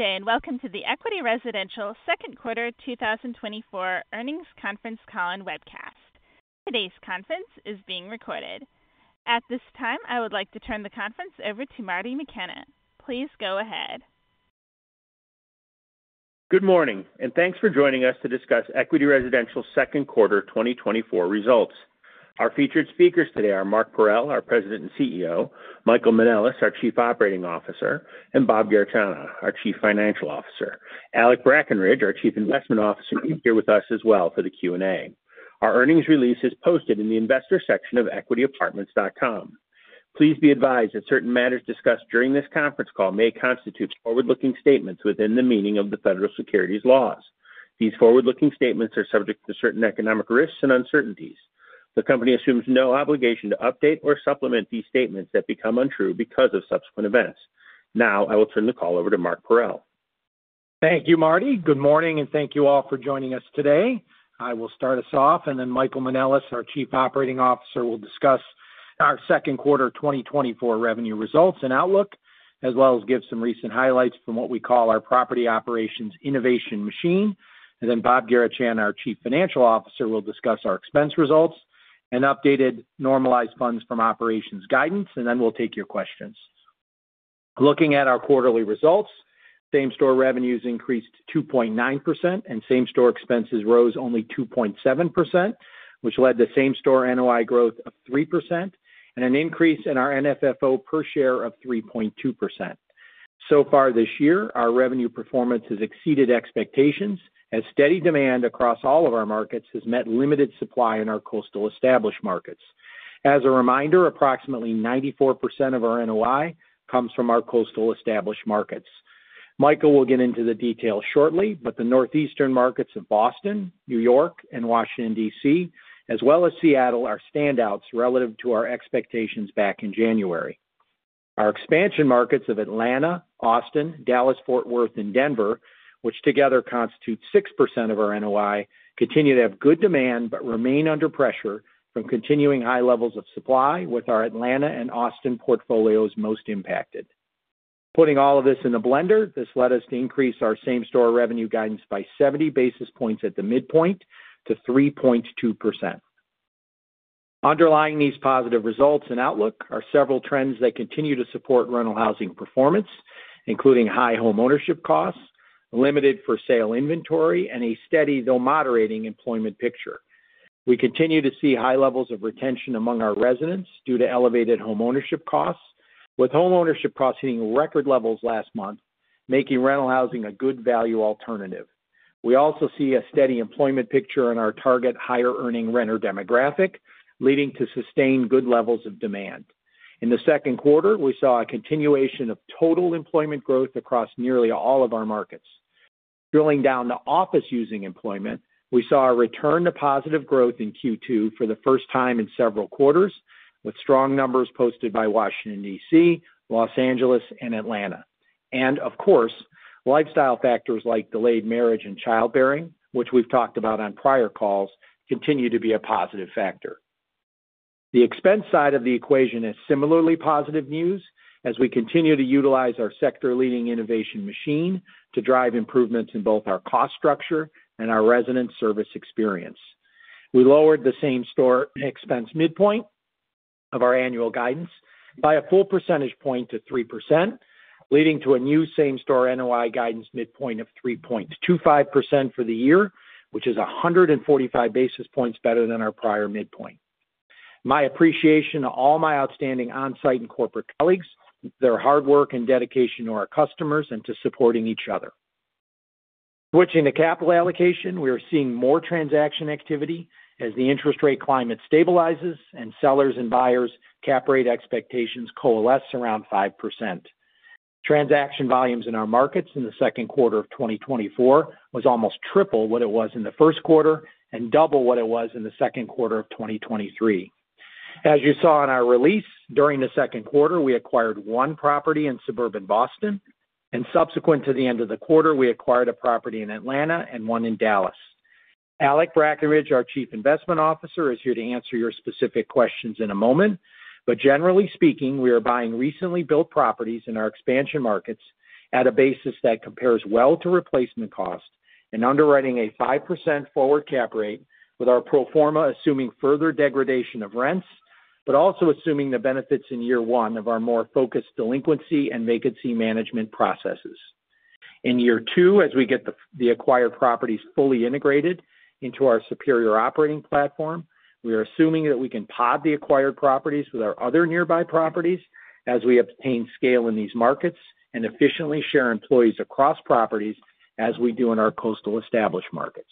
Good day, and welcome to the Equity Residential Second Quarter 2024 earnings conference call and webcast. Today's conference is being recorded. At this time, I would like to turn the conference over to Marty McKenna. Please go ahead. Good morning, and thanks for joining us to discuss Equity Residential Second Quarter 2024 results. Our featured speakers today are Mark Parrell, our President and CEO, Michael Manelis, our Chief Operating Officer, and Bob Garechana, our Chief Financial Officer, Alec Brackenridge, our Chief Investment Officer, here with us as well for the Q&A. Our earnings release is posted in the investor section of equityapartments.com. Please be advised that certain matters discussed during this conference call may constitute forward-looking statements within the meaning of the federal securities laws. These forward-looking statements are subject to certain economic risks and uncertainties. The company assumes no obligation to update or supplement these statements that become untrue because of subsequent events. Now, I will turn the call over to Mark Parrell. Thank you, Marty. Good morning, and thank you all for joining us today. I will start us off, and then Michael Manelis, our Chief Operating Officer, will discuss our second quarter 2024 revenue results and outlook, as well as give some recent highlights from what we call our Property Operations Innovation Machine. And then Bob Garechana, our Chief Financial Officer, will discuss our expense results and updated normalized funds from operations guidance, and then we'll take your questions. Looking at our quarterly results, same-store revenues increased 2.9%, and same-store expenses rose only 2.7%, which led to same-store NOI growth of 3% and an increase in our NFFO per share of 3.2%. So far this year, our revenue performance has exceeded expectations as steady demand across all of our markets has met limited supply in our coastal established markets. As a reminder, approximately 94% of our NOI comes from our coastal established markets. Michael will get into the details shortly, but the northeastern markets of Boston, New York, and Washington, D.C., as well as Seattle, are standouts relative to our expectations back in January. Our expansion markets of Atlanta, Austin, Dallas-Fort Worth, and Denver, which together constitute 6% of our NOI, continue to have good demand but remain under pressure from continuing high levels of supply, with our Atlanta and Austin portfolios most impacted. Putting all of this in the blender, this led us to increase our same-store revenue guidance by 70 basis points at the midpoint to 3.2%. Underlying these positive results and outlook are several trends that continue to support rental housing performance, including high homeownership costs, limited for sale inventory, and a steady, though moderating, employment picture. We continue to see high levels of retention among our residents due to elevated homeownership costs, with homeownership costs hitting record levels last month, making rental housing a good value alternative. We also see a steady employment picture in our target higher-earning renter demographic, leading to sustained good levels of demand. In the second quarter, we saw a continuation of total employment growth across nearly all of our markets. Drilling down to office-using employment, we saw a return to positive growth in Q2 for the first time in several quarters, with strong numbers posted by Washington, D.C., Los Angeles, and Atlanta. Of course, lifestyle factors like delayed marriage and childbearing, which we've talked about on prior calls, continue to be a positive factor. The expense side of the equation is similarly positive news as we continue to utilize our sector-leading innovation machine to drive improvements in both our cost structure and our resident service experience. We lowered the same-store expense midpoint of our annual guidance by a full percentage point to 3%, leading to a new same-store NOI guidance midpoint of 3.25% for the year, which is 145 basis points better than our prior midpoint. My appreciation to all my outstanding on-site and corporate colleagues, their hard work and dedication to our customers, and to supporting each other. Switching to capital allocation, we are seeing more transaction activity as the interest rate climate stabilizes and sellers' and buyers' cap rate expectations coalesce around 5%. Transaction volumes in our markets in the second quarter of 2024 was almost triple what it was in the first quarter and double what it was in the second quarter of 2023. As you saw in our release, during the second quarter, we acquired one property in suburban Boston, and subsequent to the end of the quarter, we acquired a property in Atlanta and one in Dallas. Alec Brackenridge, our Chief Investment Officer, is here to answer your specific questions in a moment, but generally speaking, we are buying recently built properties in our expansion markets at a basis that compares well to replacement cost and underwriting a 5% forward cap rate with our pro forma assuming further degradation of rents, but also assuming the benefits in year one of our more focused delinquency and vacancy management processes. In year two, as we get the acquired properties fully integrated into our superior operating platform, we are assuming that we can pod the acquired properties with our other nearby properties as we obtain scale in these markets and efficiently share employees across properties as we do in our coastal established markets.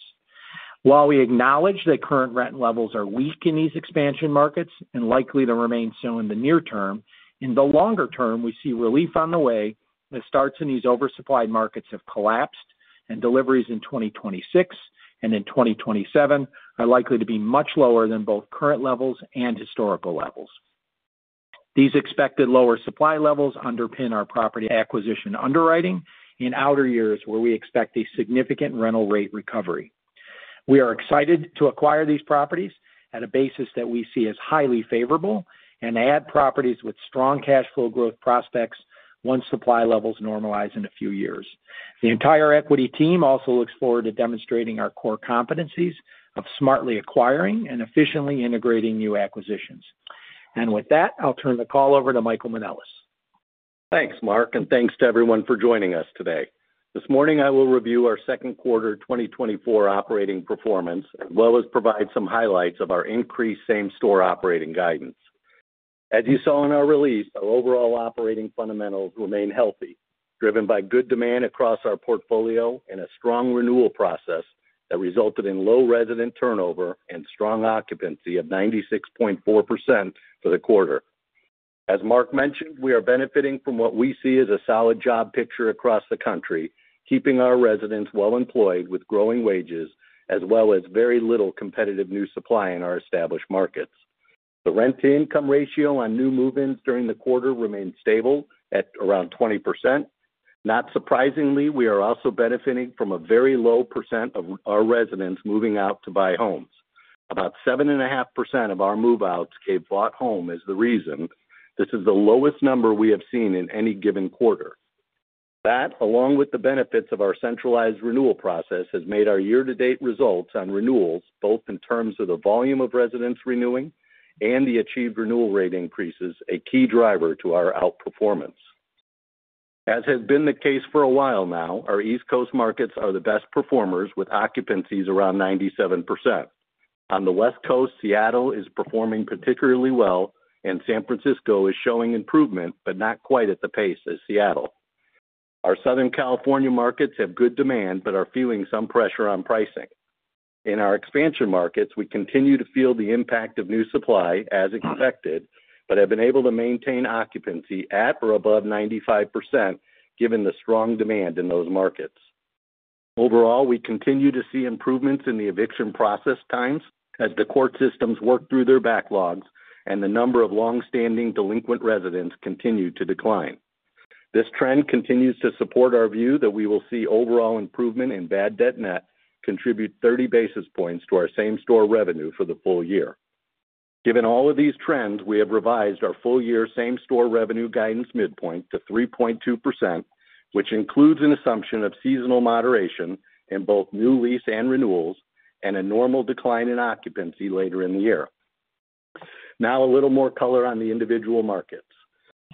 While we acknowledge that current rent levels are weak in these expansion markets and likely to remain so in the near term, in the longer term, we see relief on the way as starts in these oversupplied markets have collapsed and deliveries in 2026 and in 2027 are likely to be much lower than both current levels and historical levels. These expected lower supply levels underpin our property acquisition underwriting in outer years where we expect a significant rental rate recovery. We are excited to acquire these properties at a basis that we see as highly favorable and add properties with strong cash flow growth prospects once supply levels normalize in a few years. The entire equity team also looks forward to demonstrating our core competencies of smartly acquiring and efficiently integrating new acquisitions. With that, I'll turn the call over to Michael Manelis. Thanks, Mark, and thanks to everyone for joining us today. This morning, I will review our second quarter 2024 operating performance as well as provide some highlights of our increased same-store operating guidance. As you saw in our release, our overall operating fundamentals remain healthy, driven by good demand across our portfolio and a strong renewal process that resulted in low resident turnover and strong occupancy of 96.4% for the quarter. As Mark mentioned, we are benefiting from what we see as a solid job picture across the country, keeping our residents well employed with growing wages as well as very little competitive new supply in our established markets. The rent-to-income ratio on new move-ins during the quarter remained stable at around 20%. Not surprisingly, we are also benefiting from a very low percent of our residents moving out to buy homes. About 7.5% of our move-outs gave bought home as the reason. This is the lowest number we have seen in any given quarter. That, along with the benefits of our centralized renewal process, has made our year-to-date results on renewals, both in terms of the volume of residents renewing and the achieved renewal rate increases, a key driver to our outperformance. As has been the case for a while now, our East Coast markets are the best performers with occupancies around 97%. On the West Coast, Seattle is performing particularly well, and San Francisco is showing improvement but not quite at the pace of Seattle. Our Southern California markets have good demand but are feeling some pressure on pricing. In our expansion markets, we continue to feel the impact of new supply as expected but have been able to maintain occupancy at or above 95% given the strong demand in those markets. Overall, we continue to see improvements in the eviction process times as the court systems work through their backlogs and the number of long-standing delinquent residents continue to decline. This trend continues to support our view that we will see overall improvement in bad debt net contribute 30 basis points to our same-store revenue for the full year. Given all of these trends, we have revised our full-year same-store revenue guidance midpoint to 3.2%, which includes an assumption of seasonal moderation in both new lease and renewals and a normal decline in occupancy later in the year. Now, a little more color on the individual markets.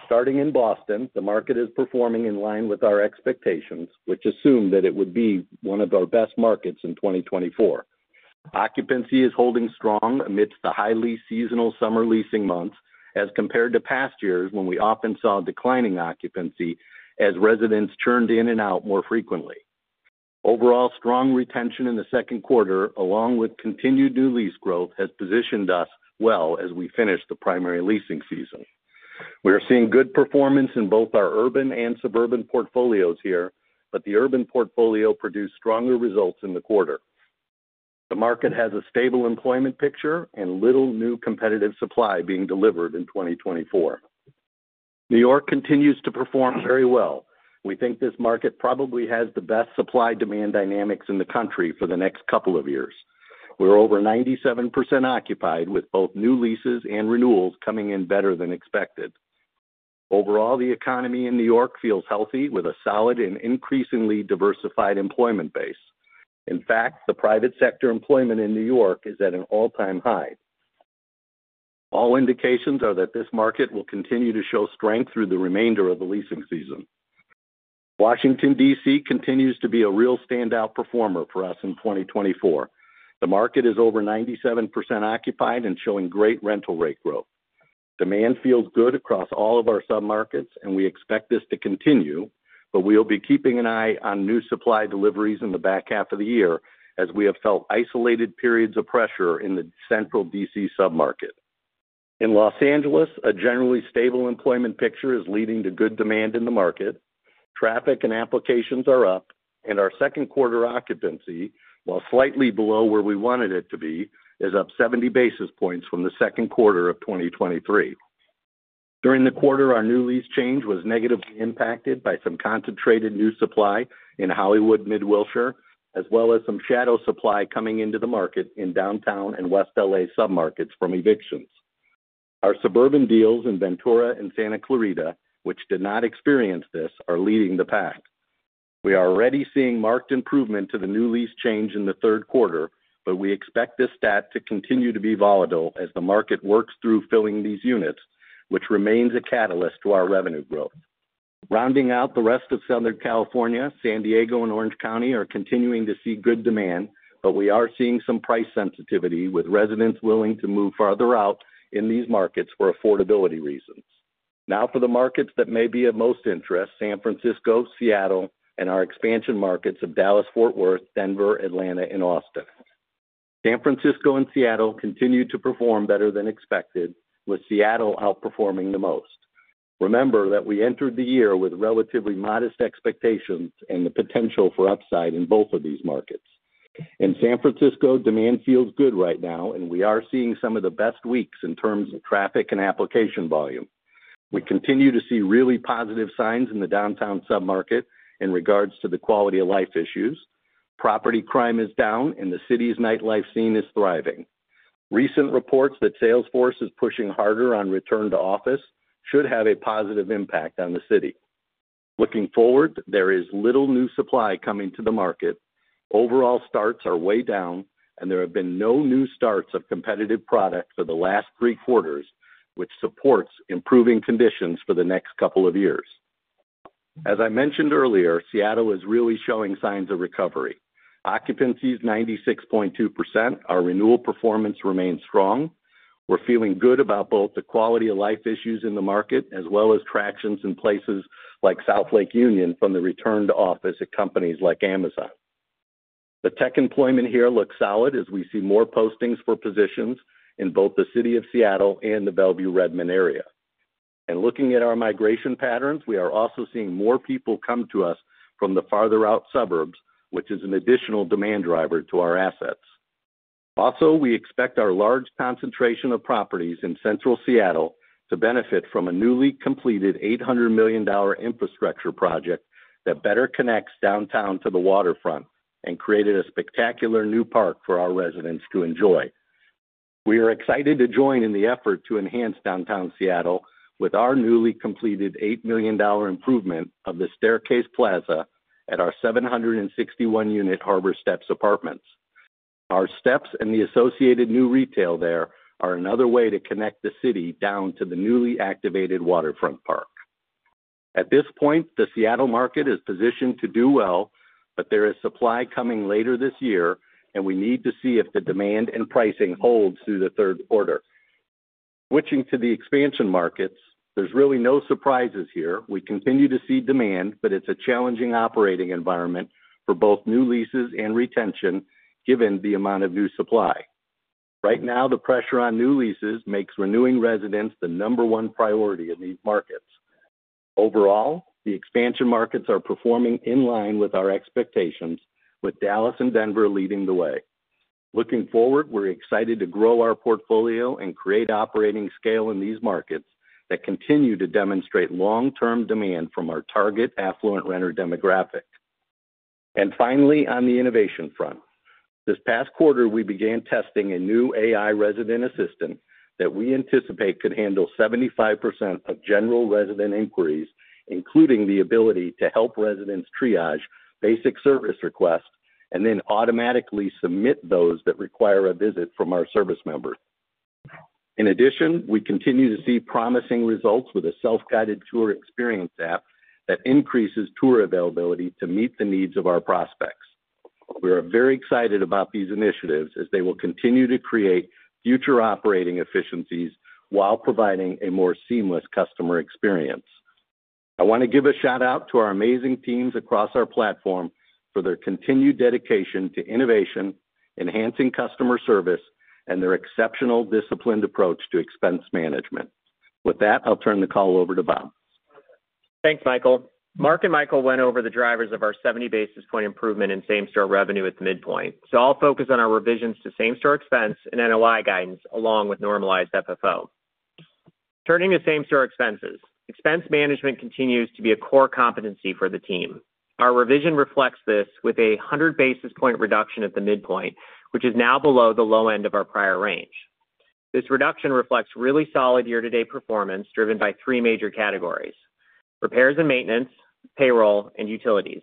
Starting in Boston, the market is performing in line with our expectations, which assumed that it would be one of our best markets in 2024. Occupancy is holding strong amidst the highly seasonal summer leasing months as compared to past years when we often saw declining occupancy as residents churned in and out more frequently. Overall, strong retention in the second quarter, along with continued new lease growth, has positioned us well as we finish the primary leasing season. We are seeing good performance in both our urban and suburban portfolios here, but the urban portfolio produced stronger results in the quarter. The market has a stable employment picture and little new competitive supply being delivered in 2024. New York continues to perform very well. We think this market probably has the best supply-demand dynamics in the country for the next couple of years. We're over 97% occupied with both new leases and renewals coming in better than expected. Overall, the economy in New York feels healthy with a solid and increasingly diversified employment base. In fact, the private sector employment in New York is at an all-time high. All indications are that this market will continue to show strength through the remainder of the leasing season. Washington, D.C. continues to be a real standout performer for us in 2024. The market is over 97% occupied and showing great rental rate growth. Demand feels good across all of our submarkets, and we expect this to continue, but we will be keeping an eye on new supply deliveries in the back half of the year as we have felt isolated periods of pressure in the central D.C. submarket. In Los Angeles, a generally stable employment picture is leading to good demand in the market. Traffic and applications are up, and our second quarter occupancy, while slightly below where we wanted it to be, is up 70 basis points from the second quarter of 2023. During the quarter, our new lease change was negatively impacted by some concentrated new supply in Hollywood, Mid-Wilshire, as well as some shadow supply coming into the market in Downtown and West L.A. submarkets from evictions. Our suburban deals in Ventura and Santa Clarita, which did not experience this, are leading the pack. We are already seeing marked improvement to the new lease change in the third quarter, but we expect this stat to continue to be volatile as the market works through filling these units, which remains a catalyst to our revenue growth. Rounding out the rest of Southern California, San Diego and Orange County are continuing to see good demand, but we are seeing some price sensitivity with residents willing to move farther out in these markets for affordability reasons. Now, for the markets that may be of most interest: San Francisco, Seattle, and our expansion markets of Dallas-Fort Worth, Denver, Atlanta, and Austin. San Francisco and Seattle continued to perform better than expected, with Seattle outperforming the most. Remember that we entered the year with relatively modest expectations and the potential for upside in both of these markets. In San Francisco, demand feels good right now, and we are seeing some of the best weeks in terms of traffic and application volume. We continue to see really positive signs in the downtown submarket in regards to the quality of life issues. Property crime is down, and the city's nightlife scene is thriving. Recent reports that Salesforce is pushing harder on return to office should have a positive impact on the city. Looking forward, there is little new supply coming to the market. Overall starts are way down, and there have been no new starts of competitive product for the last three quarters, which supports improving conditions for the next couple of years. As I mentioned earlier, Seattle is really showing signs of recovery. Occupancy is 96.2%. Our renewal performance remains strong. We're feeling good about both the quality of life issues in the market as well as traction in places like South Lake Union from the return to office at companies like Amazon. The tech employment here looks solid as we see more postings for positions in both the city of Seattle and the Bellevue-Redmond area. Looking at our migration patterns, we are also seeing more people come to us from the farther-out suburbs, which is an additional demand driver to our assets. Also, we expect our large concentration of properties in central Seattle to benefit from a newly completed $800 million infrastructure project that better connects downtown to the waterfront and created a spectacular new park for our residents to enjoy. We are excited to join in the effort to enhance downtown Seattle with our newly completed $8 million improvement of the Staircase Plaza at our 761-unit Harbor Steps Apartments. Our steps and the associated new retail there are another way to connect the city down to the newly activated waterfront park. At this point, the Seattle market is positioned to do well, but there is supply coming later this year, and we need to see if the demand and pricing holds through the third quarter. Switching to the expansion markets, there's really no surprises here. We continue to see demand, but it's a challenging operating environment for both new leases and retention given the amount of new supply. Right now, the pressure on new leases makes renewing residents the number one priority in these markets. Overall, the expansion markets are performing in line with our expectations, with Dallas and Denver leading the way. Looking forward, we're excited to grow our portfolio and create operating scale in these markets that continue to demonstrate long-term demand from our target affluent renter demographic. Finally, on the innovation front, this past quarter, we began testing a new AI resident assistant that we anticipate could handle 75% of general resident inquiries, including the ability to help residents triage basic service requests and then automatically submit those that require a visit from our service member. In addition, we continue to see promising results with a self-guided tour experience app that increases tour availability to meet the needs of our prospects. We are very excited about these initiatives as they will continue to create future operating efficiencies while providing a more seamless customer experience. I want to give a shout-out to our amazing teams across our platform for their continued dedication to innovation, enhancing customer service, and their exceptional disciplined approach to expense management. With that, I'll turn the call over to Bob. Thanks, Michael. Mark and Michael went over the drivers of our 70 basis point improvement in same-store revenue at the midpoint. So I'll focus on our revisions to same-store expense and NOI guidance along with normalized FFO. Turning to same-store expenses, expense management continues to be a core competency for the team. Our revision reflects this with a 100 basis point reduction at the midpoint, which is now below the low end of our prior range. This reduction reflects really solid year-to-date performance driven by three major categories: repairs and maintenance, payroll, and utilities.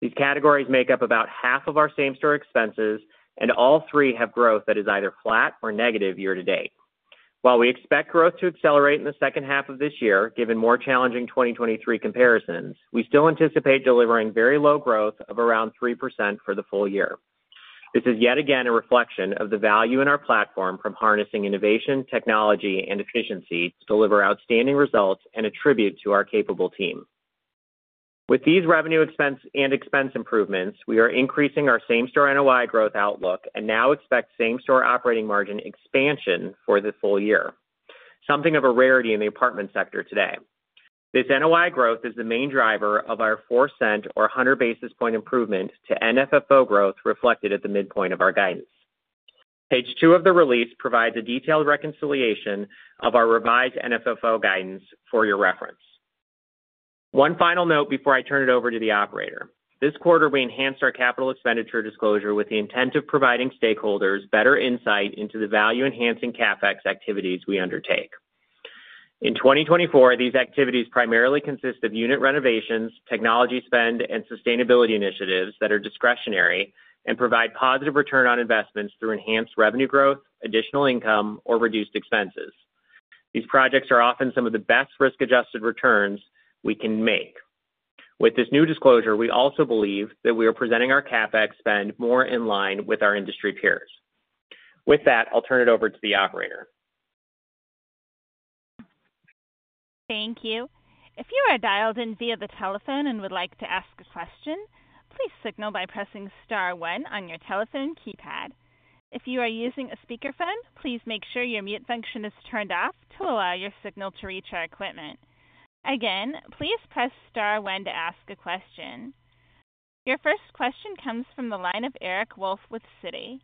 These categories make up about half of our same-store expenses, and all three have growth that is either flat or negative year-to-date. While we expect growth to accelerate in the second half of this year, given more challenging 2023 comparisons, we still anticipate delivering very low growth of around 3% for the full year. This is yet again a reflection of the value in our platform from harnessing innovation, technology, and efficiency to deliver outstanding results and a tribute to our capable team. With these revenue and expense improvements, we are increasing our same-store NOI growth outlook and now expect same-store operating margin expansion for the full year, something of a rarity in the apartment sector today. This NOI growth is the main driver of our $0.04 or 100 basis points improvement to NFFO growth reflected at the midpoint of our guidance. Page 2 of the release provides a detailed reconciliation of our revised NFFO guidance for your reference. One final note before I turn it over to the operator. This quarter, we enhanced our capital expenditure disclosure with the intent of providing stakeholders better insight into the value-enhancing CapEx activities we undertake. In 2024, these activities primarily consist of unit renovations, technology spend, and sustainability initiatives that are discretionary and provide positive return on investments through enhanced revenue growth, additional income, or reduced expenses. These projects are often some of the best risk-adjusted returns we can make. With this new disclosure, we also believe that we are presenting our CapEx spend more in line with our industry peers. With that, I'll turn it over to the operator. Thank you. If you are dialed in via the telephone and would like to ask a question, please signal by pressing Star one on your telephone keypad. If you are using a speakerphone, please make sure your mute function is turned off to allow your signal to reach our equipment. Again, please press Star one to ask a question. Your first question comes from the line of Eric Wolfe with Citi.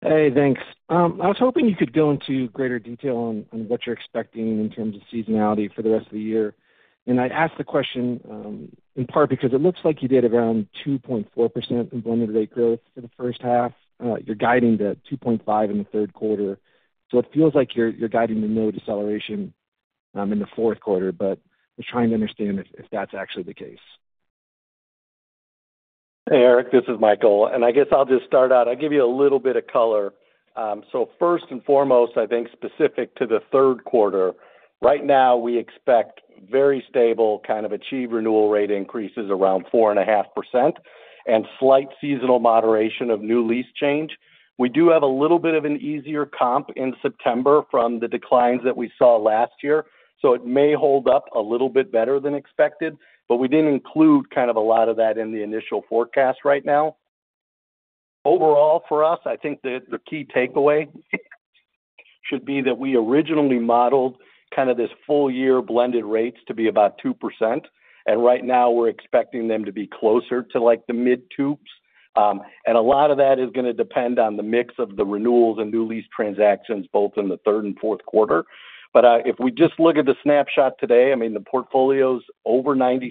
Hey, thanks. I was hoping you could go into greater detail on what you're expecting in terms of seasonality for the rest of the year. I'd ask the question in part because it looks like you did around 2.4% implemented rate growth for the first half. You're guiding to 2.5 in the third quarter. So it feels like you're guiding to no deceleration in the fourth quarter, but we're trying to understand if that's actually the case. Hey, Eric, this is Michael. And I guess I'll just start out. I'll give you a little bit of color. So first and foremost, I think specific to the third quarter, right now we expect very stable kind of achieved renewal rate increases around 4.5% and slight seasonal moderation of new lease change. We do have a little bit of an easier comp in September from the declines that we saw last year. So it may hold up a little bit better than expected, but we didn't include kind of a lot of that in the initial forecast right now. Overall, for us, I think the key takeaway should be that we originally modeled kind of this full-year blended rates to be about 2%. And right now, we're expecting them to be closer to like the mid-2s%. A lot of that is going to depend on the mix of the renewals and new lease transactions both in the third and fourth quarter. But if we just look at the snapshot today, I mean, the portfolio is over 96%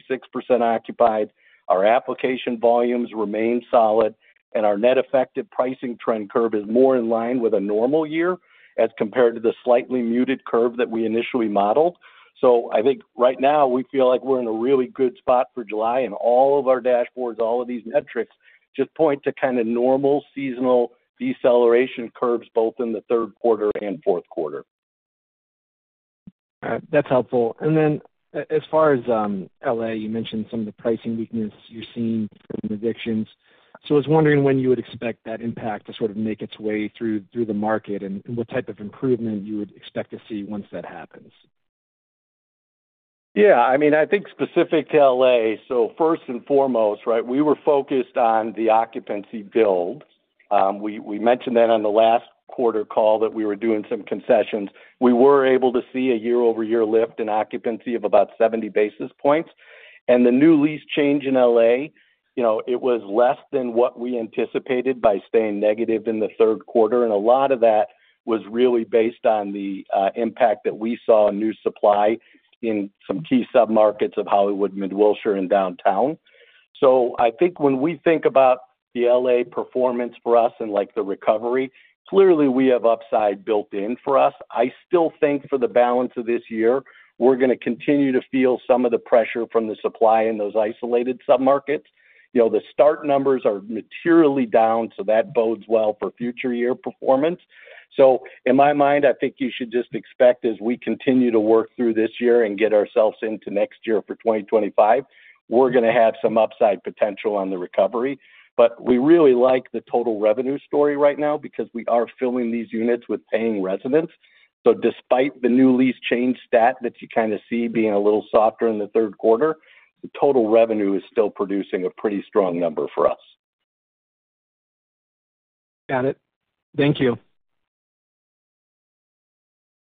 occupied. Our application volumes remain solid, and our net effective pricing trend curve is more in line with a normal year as compared to the slightly muted curve that we initially modeled. So I think right now we feel like we're in a really good spot for July, and all of our dashboards, all of these metrics just point to kind of normal seasonal deceleration curves both in the third quarter and fourth quarter. That's helpful. And then as far as L.A., you mentioned some of the pricing weakness you're seeing from evictions. So I was wondering when you would expect that impact to sort of make its way through the market and what type of improvement you would expect to see once that happens. Yeah. I mean, I think specific to L.A. So first and foremost, right, we were focused on the occupancy build. We mentioned that on the last quarter call that we were doing some concessions. We were able to see a year-over-year lift in occupancy of about 70 basis points. And the new lease change in L.A., you know, it was less than what we anticipated by staying negative in the third quarter. And a lot of that was really based on the impact that we saw in new supply in some key submarkets of Hollywood, Mid-Wilshire, and Downtown. So I think when we think about the L.A. performance for us and like the recovery, clearly we have upside built in for us. I still think for the balance of this year, we're going to continue to feel some of the pressure from the supply in those isolated submarkets. You know, the stark numbers are materially down, so that bodes well for future year performance. So in my mind, I think you should just expect as we continue to work through this year and get ourselves into next year for 2025, we're going to have some upside potential on the recovery. But we really like the total revenue story right now because we are filling these units with paying residents. So despite the new lease change stat that you kind of see being a little softer in the third quarter, the total revenue is still producing a pretty strong number for us. Got it. Thank you.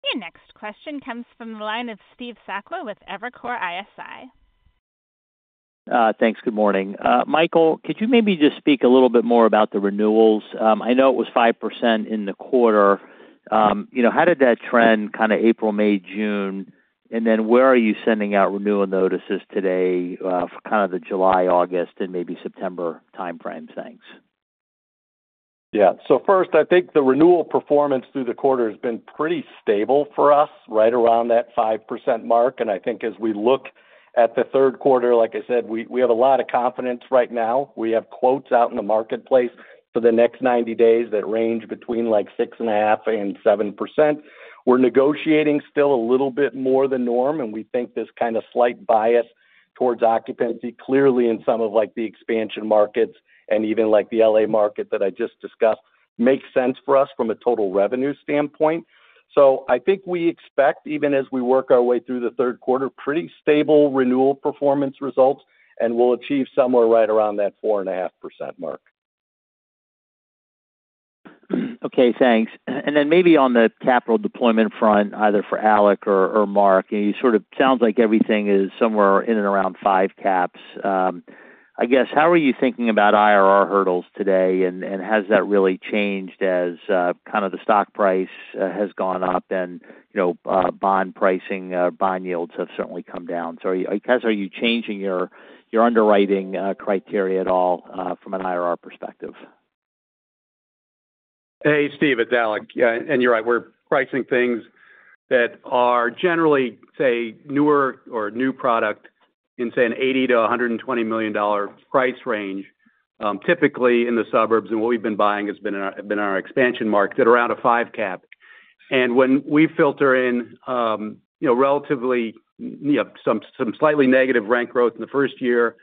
The next question comes from the line of Steve Sakwa with Evercore ISI. Thanks. Good morning. Michael, could you maybe just speak a little bit more about the renewals? I know it was 5% in the quarter. You know, how did that trend kind of April, May, June? And then where are you sending out renewal notices today for kind of the July, August, and maybe September timeframes? Thanks. Yeah. So first, I think the renewal performance through the quarter has been pretty stable for us right around that 5% mark. And I think as we look at the third quarter, like I said, we have a lot of confidence right now. We have quotes out in the marketplace for the next 90 days that range between like 6.5% and 7%. We're negotiating still a little bit more than norm, and we think this kind of slight bias towards occupancy clearly in some of like the expansion markets and even like the L.A. market that I just discussed makes sense for us from a total revenue standpoint. So I think we expect, even as we work our way through the third quarter, pretty stable renewal performance results, and we'll achieve somewhere right around that 4.5% mark. Okay. Thanks. And then maybe on the capital deployment front, either for Alec or Mark, you sort of sounds like everything is somewhere in and around five caps. I guess, how are you thinking about IRR hurdles today, and has that really changed as kind of the stock price has gone up and, you know, bond pricing, bond yields have certainly come down? So I guess, are you changing your underwriting criteria at all from an IRR perspective? Hey, Steve. It's Alec. And you're right. We're pricing things that are generally, say, newer or new product in, say, a $80 million-$120 million price range, typically in the suburbs. And what we've been buying has been our expansion market at around a five cap. And when we factor in, you know, relatively, you know, some slightly negative rent growth in the first year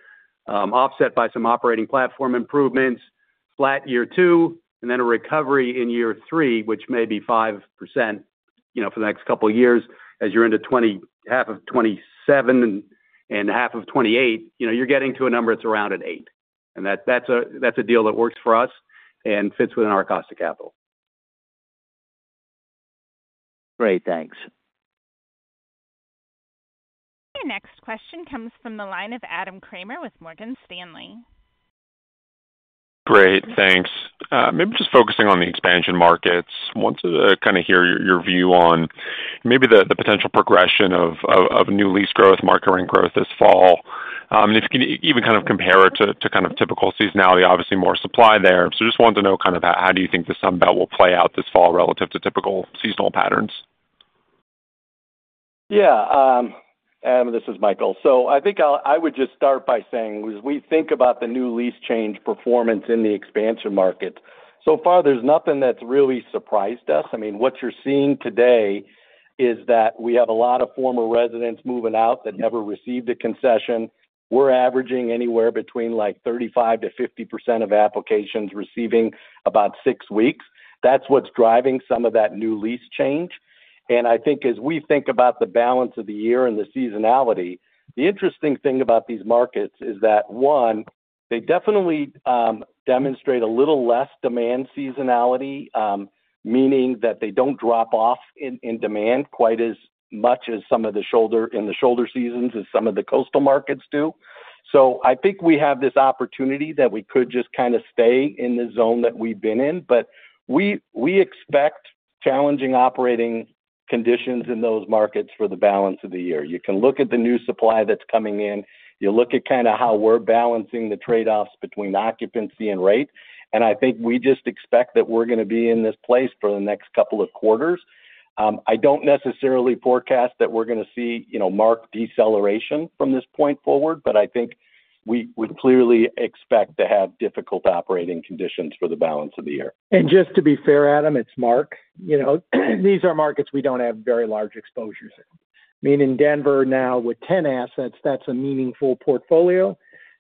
offset by some operating platform improvements, flat year two, and then a recovery in year three, which may be 5%, you know, for the next couple of years as you're into half of 2027 and half of 2028, you know, you're getting to a number that's around an 8. And that's a deal that works for us and fits within our cost of capital. Great. Thanks. The next question comes from the line of Adam Kramer with Morgan Stanley. Great. Thanks. Maybe just focusing on the expansion markets, want to kind of hear your view on maybe the potential progression of new lease growth, market rent growth this fall. If you can even kind of compare it to kind of typical seasonality, obviously more supply there. Just wanted to know kind of how do you think the Sunbelt will play out this fall relative to typical seasonal patterns? Yeah. Adam, this is Michael. So I think I would just start by saying as we think about the new lease change performance in the expansion market, so far, there's nothing that's really surprised us. I mean, what you're seeing today is that we have a lot of former residents moving out that never received a concession. We're averaging anywhere between like 35%-50% of applications receiving about six weeks. That's what's driving some of that new lease change. And I think as we think about the balance of the year and the seasonality, the interesting thing about these markets is that, one, they definitely demonstrate a little less demand seasonality, meaning that they don't drop off in demand quite as much as some of the shoulder in the shoulder seasons as some of the coastal markets do. So I think we have this opportunity that we could just kind of stay in the zone that we've been in, but we expect challenging operating conditions in those markets for the balance of the year. You can look at the new supply that's coming in. You look at kind of how we're balancing the trade-offs between occupancy and rate. And I think we just expect that we're going to be in this place for the next couple of quarters. I don't necessarily forecast that we're going to see, you know, marked deceleration from this point forward, but I think we clearly expect to have difficult operating conditions for the balance of the year. Just to be fair, Adam, it's Mark. You know, these are markets we don't have very large exposures in. I mean, in Denver now with 10 assets, that's a meaningful portfolio.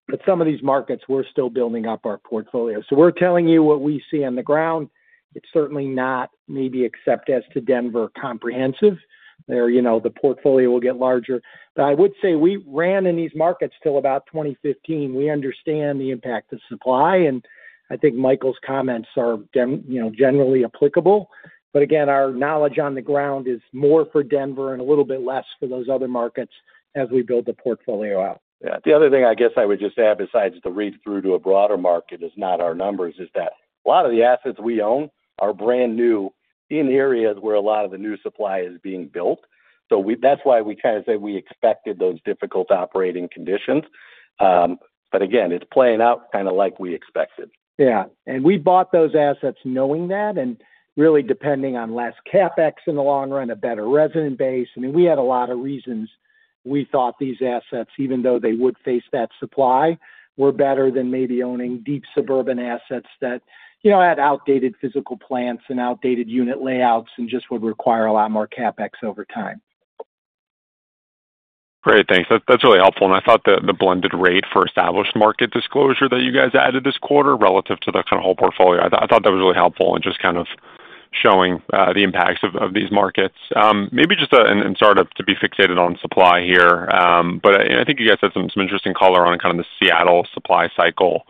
But some of these markets, we're still building up our portfolio. So we're telling you what we see on the ground. It's certainly not maybe except as to Denver comprehensive. There, you know, the portfolio will get larger. But I would say we ran in these markets till about 2015. We understand the impact of supply. And I think Michael's comments are, you know, generally applicable. But again, our knowledge on the ground is more for Denver and a little bit less for those other markets as we build the portfolio out. Yeah. The other thing I guess I would just add besides the read-through to a broader market is, not our numbers, is that a lot of the assets we own are brand new in areas where a lot of the new supply is being built. So that's why we kind of say we expected those difficult operating conditions. But again, it's playing out kind of like we expected. Yeah. We bought those assets knowing that and really depending on less CapEx in the long run, a better resident base. I mean, we had a lot of reasons we thought these assets, even though they would face that supply, were better than maybe owning deep suburban assets that, you know, had outdated physical plants and outdated unit layouts and just would require a lot more CapEx over time. Great. Thanks. That's really helpful. And I thought the blended rate for established market disclosure that you guys added this quarter relative to the kind of whole portfolio, I thought that was really helpful in just kind of showing the impacts of these markets. Maybe just to be fixated on supply here, but I think you guys had some interesting color on kind of the Seattle supply cycle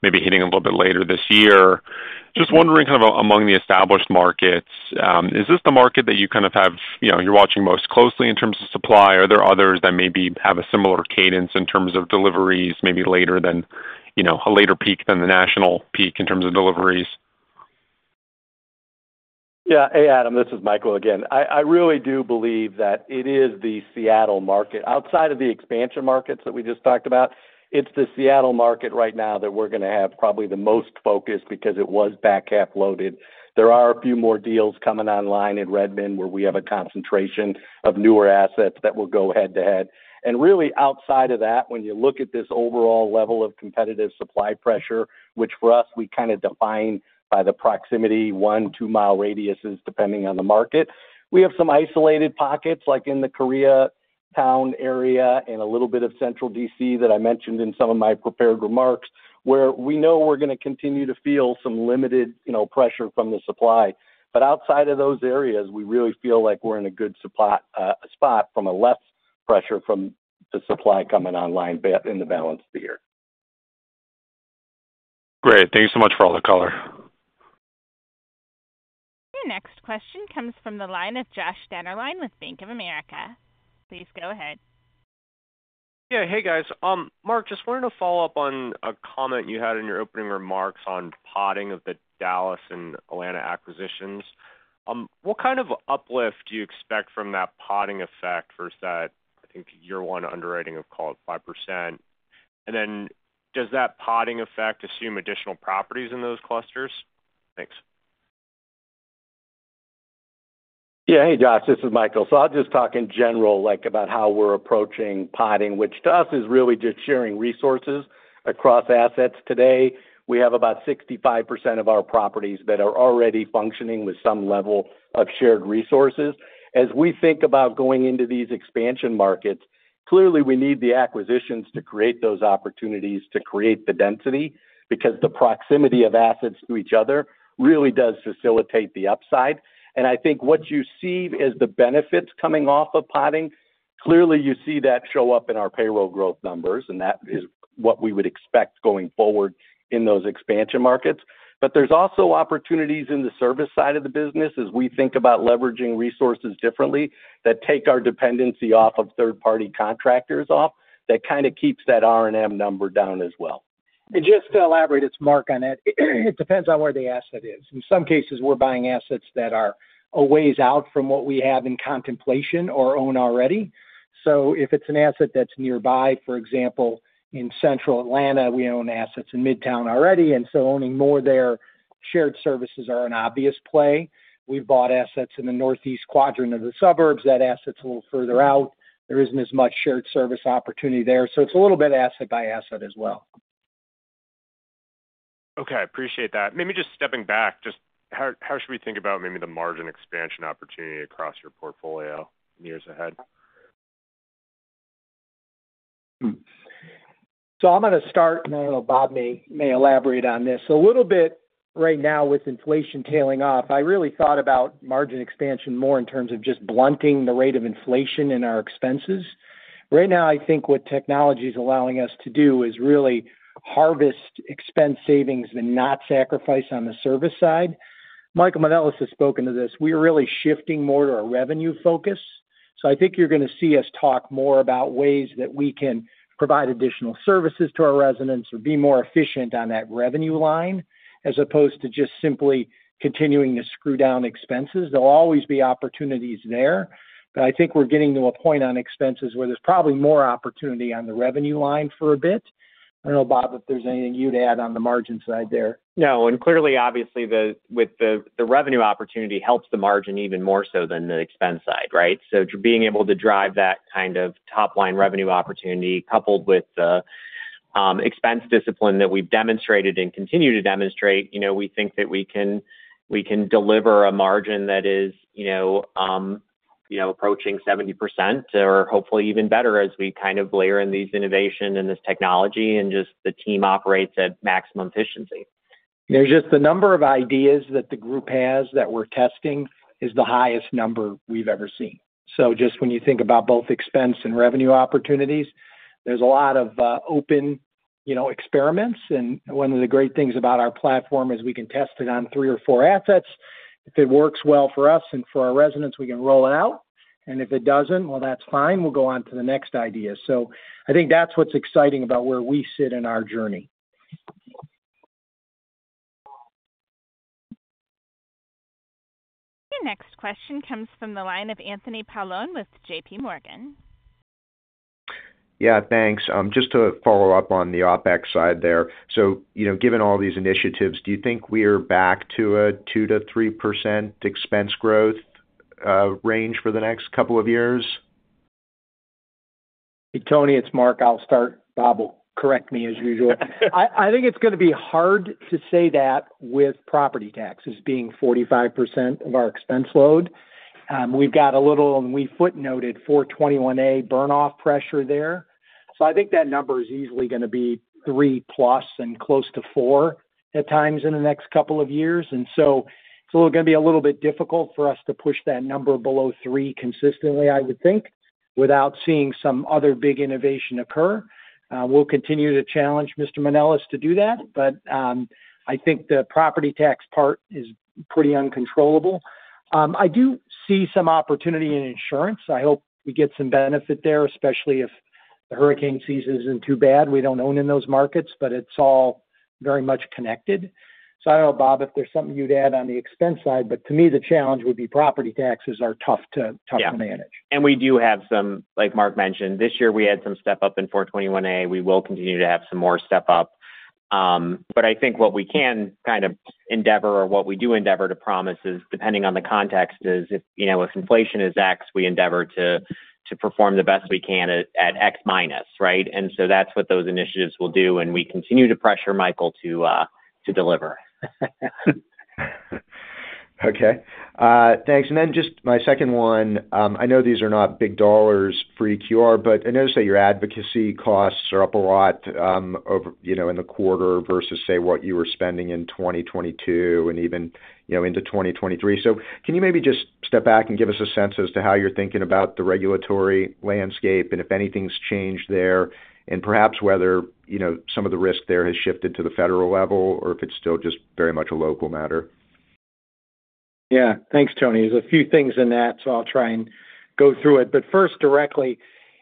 maybe hitting a little bit later this year. Just wondering kind of among the established markets, is this the market that you kind of have, you know, you're watching most closely in terms of supply? Are there others that maybe have a similar cadence in terms of deliveries maybe later than, you know, a later peak than the national peak in terms of deliveries? Yeah. Hey, Adam, this is Michael again. I really do believe that it is the Seattle market. Outside of the expansion markets that we just talked about, it's the Seattle market right now that we're going to have probably the most focus because it was back half loaded. There are a few more deals coming online in Redmond where we have a concentration of newer assets that will go head to head. And really outside of that, when you look at this overall level of competitive supply pressure, which for us, we kind of define by the proximity, 1-2 mile radii depending on the market, we have some isolated pockets like in the Koreatown area and a little bit of Central D.C. that I mentioned in some of my prepared remarks where we know we're going to continue to feel some limited, you know, pressure from the supply. But outside of those areas, we really feel like we're in a good spot from less pressure from the supply coming online in the balance of the year. Great. Thank you so much for all the color. The next question comes from the line of Joshua Dennerlein with Bank of America. Please go ahead. Yeah. Hey, guys. Mark, just wanted to follow up on a comment you had in your opening remarks on potting of the Dallas and Atlanta acquisitions. What kind of uplift do you expect from that potting effect versus that, I think, year-one underwriting of call it 5%? And then does that potting effect assume additional properties in those clusters? Thanks. Yeah. Hey, Josh. This is Michael. So I'll just talk in general like about how we're approaching potting, which to us is really just sharing resources across assets today. We have about 65% of our properties that are already functioning with some level of shared resources. As we think about going into these expansion markets, clearly we need the acquisitions to create those opportunities to create the density because the proximity of assets to each other really does facilitate the upside. And I think what you see as the benefits coming off of potting, clearly you see that show up in our payroll growth numbers, and that is what we would expect going forward in those expansion markets. But there's also opportunities in the service side of the business as we think about leveraging resources differently that take our dependency off of third-party contractors off that kind of keeps that R&M number down as well. Just to elaborate, it's Mark on that. It depends on where the asset is. In some cases, we're buying assets that are a ways out from what we have in contemplation or own already. So if it's an asset that's nearby, for example, in Central Atlanta, we own assets in Midtown already. And so owning more there, shared services are an obvious play. We've bought assets in the northeast quadrant of the suburbs that assets a little further out. There isn't as much shared service opportunity there. So it's a little bit asset by asset as well. Okay. I appreciate that. Maybe just stepping back, just how should we think about maybe the margin expansion opportunity across your portfolio in years ahead? So I'm going to start, and I don't know if Bob may elaborate on this. So a little bit right now with inflation tailing off, I really thought about margin expansion more in terms of just blunting the rate of inflation in our expenses. Right now, I think what technology is allowing us to do is really harvest expense savings and not sacrifice on the service side. Michael Manelis has spoken to this. We are really shifting more to our revenue focus. So I think you're going to see us talk more about ways that we can provide additional services to our residents or be more efficient on that revenue line as opposed to just simply continuing to screw down expenses. There'll always be opportunities there. But I think we're getting to a point on expenses where there's probably more opportunity on the revenue line for a bit. I don't know, Bob, if there's anything you'd add on the margin side there? No. And clearly, obviously, with the revenue opportunity helps the margin even more so than the expense side, right? So being able to drive that kind of top-line revenue opportunity coupled with the expense discipline that we've demonstrated and continue to demonstrate, you know, we think that we can deliver a margin that is, you know, approaching 70% or hopefully even better as we kind of layer in these innovation and this technology and just the team operates at maximum efficiency. There's just the number of ideas that the group has that we're testing is the highest number we've ever seen. So just when you think about both expense and revenue opportunities, there's a lot of open, you know, experiments. And one of the great things about our platform is we can test it on three or four assets. If it works well for us and for our residents, we can roll it out. And if it doesn't, well, that's fine. We'll go on to the next idea. So I think that's what's exciting about where we sit in our journey. The next question comes from the line of Anthony Paolone with J.P. Morgan. Yeah. Thanks. Just to follow up on the OpEx side there. So, you know, given all these initiatives, do you think we are back to a 2%-3% expense growth range for the next couple of years? Tony, it's Mark. I'll start. Bob will correct me as usual. I think it's going to be hard to say that with property taxes being 45% of our expense load. We've got a little, and we footnoted 421-a burn-off pressure there. So I think that number is easily going to be 3+ and close to four at times in the next couple of years. So it's going to be a little bit difficult for us to push that number below three consistently, I would think, without seeing some other big innovation occur. We'll continue to challenge Mr. Manelis to do that. But I think the property tax part is pretty uncontrollable. I do see some opportunity in insurance. I hope we get some benefit there, especially if the hurricane season isn't too bad. We don't own in those markets, but it's all very much connected. I don't know, Bob, if there's something you'd add on the expense side, but to me, the challenge would be, property taxes are tough to manage. Yeah. And we do have some, like Mark mentioned, this year we had some step up in 421-a. We will continue to have some more step up. But I think what we can kind of endeavor or what we do endeavor to promise is, depending on the context, is if, you know, if inflation is X, we endeavor to perform the best we can at X minus, right? And so that's what those initiatives will do. And we continue to pressure Michael to deliver. Okay. Thanks. And then just my second one, I know these are not big dollars for EQR, but I noticed that your advocacy costs are up a lot over, you know, in the quarter versus, say, what you were spending in 2022 and even, you know, into 2023. So can you maybe just step back and give us a sense as to how you're thinking about the regulatory landscape and if anything's changed there and perhaps whether, you know, some of the risk there has shifted to the federal level or if it's still just very much a local matter? Yeah. Thanks, Tony. There's a few things in that, so I'll try and go through it. But first, directly,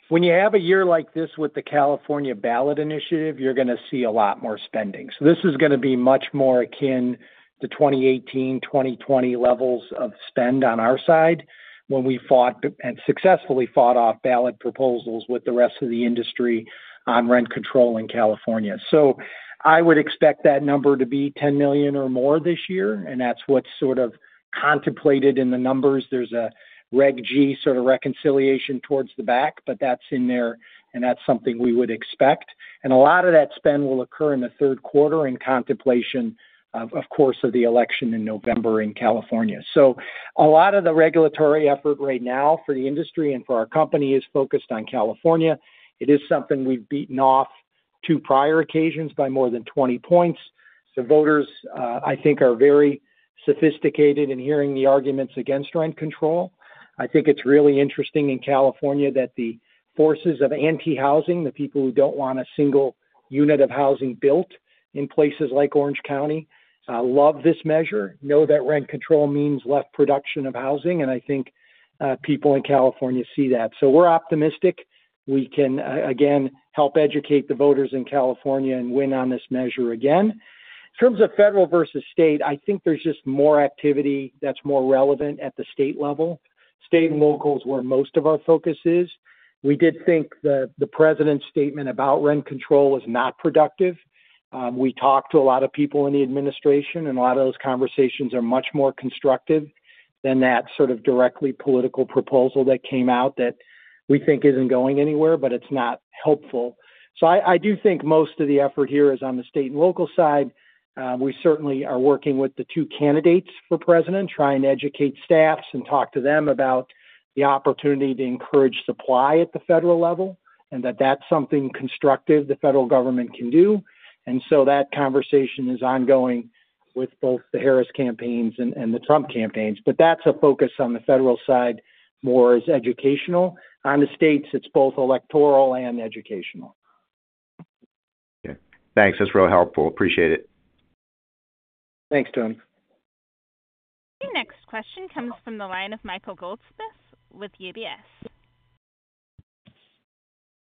when you have a year like this with the California ballot initiative, you're going to see a lot more spending. So this is going to be much more akin to 2018, 2020 levels of spend on our side when we fought and successfully fought off ballot proposals with the rest of the industry on rent control in California. So I would expect that number to be $10 million or more this year. And that's what's sort of contemplated in the numbers. There's a Reg G sort of reconciliation towards the back, but that's in there, and that's something we would expect. And a lot of that spend will occur in the third quarter in contemplation, of course, of the election in November in California. A lot of the regulatory effort right now for the industry and for our company is focused on California. It is something we've beaten off two prior occasions by more than 20 points. So voters, I think, are very sophisticated in hearing the arguments against rent control. I think it's really interesting in California that the forces of anti-housing, the people who don't want a single unit of housing built in places like Orange County, love this measure, know that rent control means less production of housing. And I think people in California see that. So we're optimistic. We can, again, help educate the voters in California and win on this measure again. In terms of federal versus state, I think there's just more activity that's more relevant at the state level. State and local is where most of our focus is. We did think the president's statement about rent control was not productive. We talked to a lot of people in the administration, and a lot of those conversations are much more constructive than that sort of directly political proposal that came out that we think isn't going anywhere, but it's not helpful. I do think most of the effort here is on the state and local side. We certainly are working with the two candidates for president, trying to educate staffs and talk to them about the opportunity to encourage supply at the federal level and that that's something constructive the federal government can do. That conversation is ongoing with both the Harris campaigns and the Trump campaigns. That's a focus on the federal side more as educational. On the states, it's both electoral and educational. Okay. Thanks. That's real helpful. Appreciate it. Thanks, Tony. The next question comes from the line of Michael Goldsmith with UBS.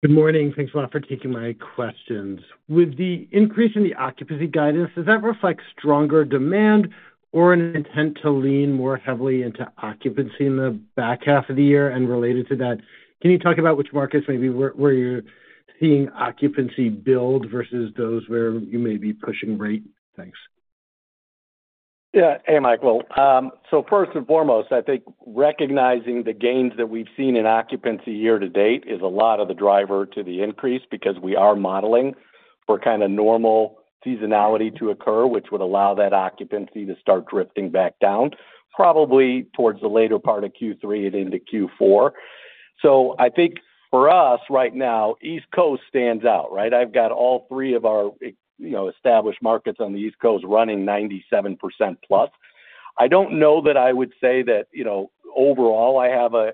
Good morning. Thanks a lot for taking my questions. With the increase in the occupancy guidance, does that reflect stronger demand or an intent to lean more heavily into occupancy in the back half of the year? And related to that, can you talk about which markets maybe where you're seeing occupancy build versus those where you may be pushing rate? Thanks. Yeah. Hey, Michael. So first and foremost, I think recognizing the gains that we've seen in occupancy year to date is a lot of the driver to the increase because we are modeling for kind of normal seasonality to occur, which would allow that occupancy to start drifting back down probably towards the later part of Q3 and into Q4. So I think for us right now, East Coast stands out, right? I've got all three of our, you know, established markets on the East Coast running 97%+. I don't know that I would say that, you know, overall I have a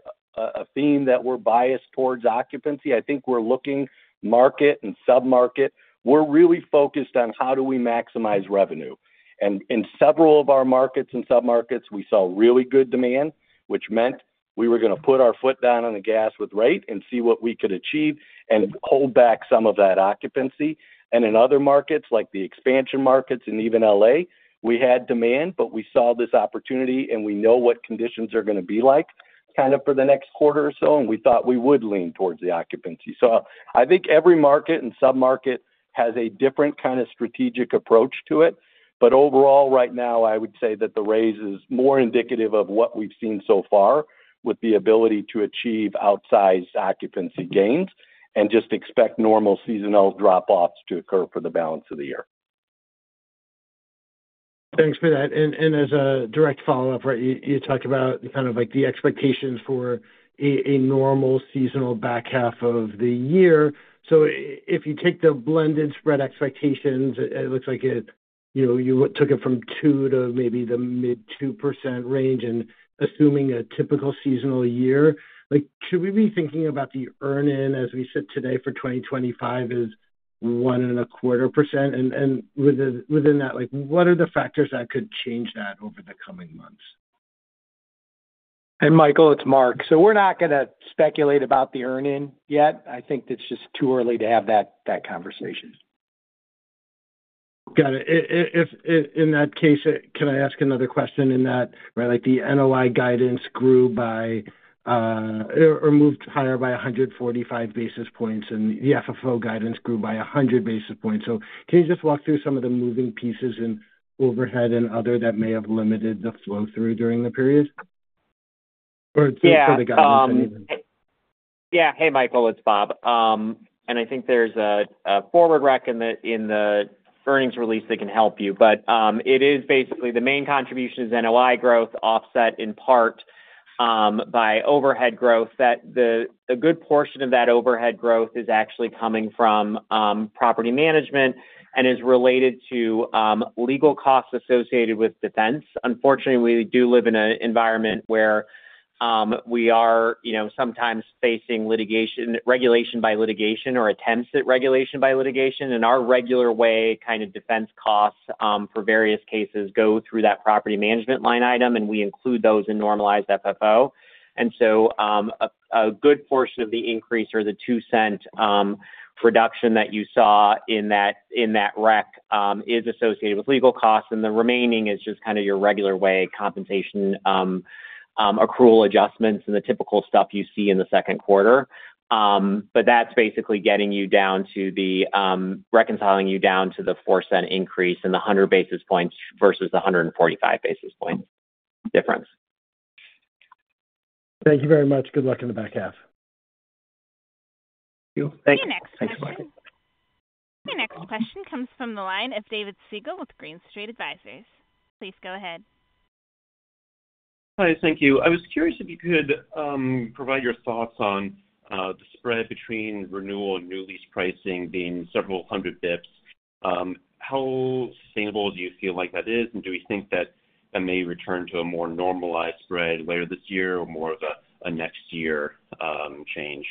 theme that we're biased towards occupancy. I think we're looking market and sub-market. We're really focused on how do we maximize revenue. In several of our markets and sub-markets, we saw really good demand, which meant we were going to put our foot down on the gas with rate and see what we could achieve and hold back some of that occupancy. In other markets, like the expansion markets and even L.A., we had demand, but we saw this opportunity and we know what conditions are going to be like kind of for the next quarter or so. We thought we would lean towards the occupancy. So I think every market and sub-market has a different kind of strategic approach to it. But overall, right now, I would say that the raise is more indicative of what we've seen so far with the ability to achieve outsized occupancy gains and just expect normal seasonal drop-offs to occur for the balance of the year. Thanks for that. And as a direct follow-up, right, you talked about kind of like the expectations for a normal seasonal back half of the year. So if you take the blended spread expectations, it looks like it, you know, you took it from 2% to maybe the mid-2% range. And assuming a typical seasonal year, like should we be thinking about the earn-in as we sit today for 2025 is 1.25%? And within that, like what are the factors that could change that over the coming months? Hey, Michael, it's Mark. So we're not going to speculate about the earn-in yet. I think it's just too early to have that conversation. Got it. If in that case, can I ask another question in that, right, like the NOI guidance grew by or moved higher by 145 basis points and the FFO guidance grew by 100 basis points. So can you just walk through some of the moving pieces in overhead and other that may have limited the flow through during the period? Or it's for the guidance anyway. Yeah. Hey, Michael, it's Bob. And I think there's a forward rec in the earnings release that can help you. But it is basically the main contribution is NOI growth offset in part by overhead growth that the good portion of that overhead growth is actually coming from property management and is related to legal costs associated with defense. Unfortunately, we do live in an environment where we are, you know, sometimes facing litigation, regulation by litigation or attempts at regulation by litigation. And our regular way kind of defense costs for various cases go through that property management line item, and we include those in Normalized FFO. And so a good portion of the increase or the 2% reduction that you saw in that rec is associated with legal costs. The remaining is just kind of your regular way compensation, accrual adjustments, and the typical stuff you see in the second quarter. That's basically getting you down to the reconciling you down to the 4% increase and the 100 basis points versus the 145 basis points difference. Thank you very much. Good luck in the back half. Thank you. The next question. The next question comes from the line of John Pawlowski with Green Street Advisors. Please go ahead. Hi. Thank you. I was curious if you could provide your thoughts on the spread between renewal and new lease pricing being several hundred bps. How sustainable do you feel like that is? And do we think that that may return to a more normalized spread later this year or more of a next year change?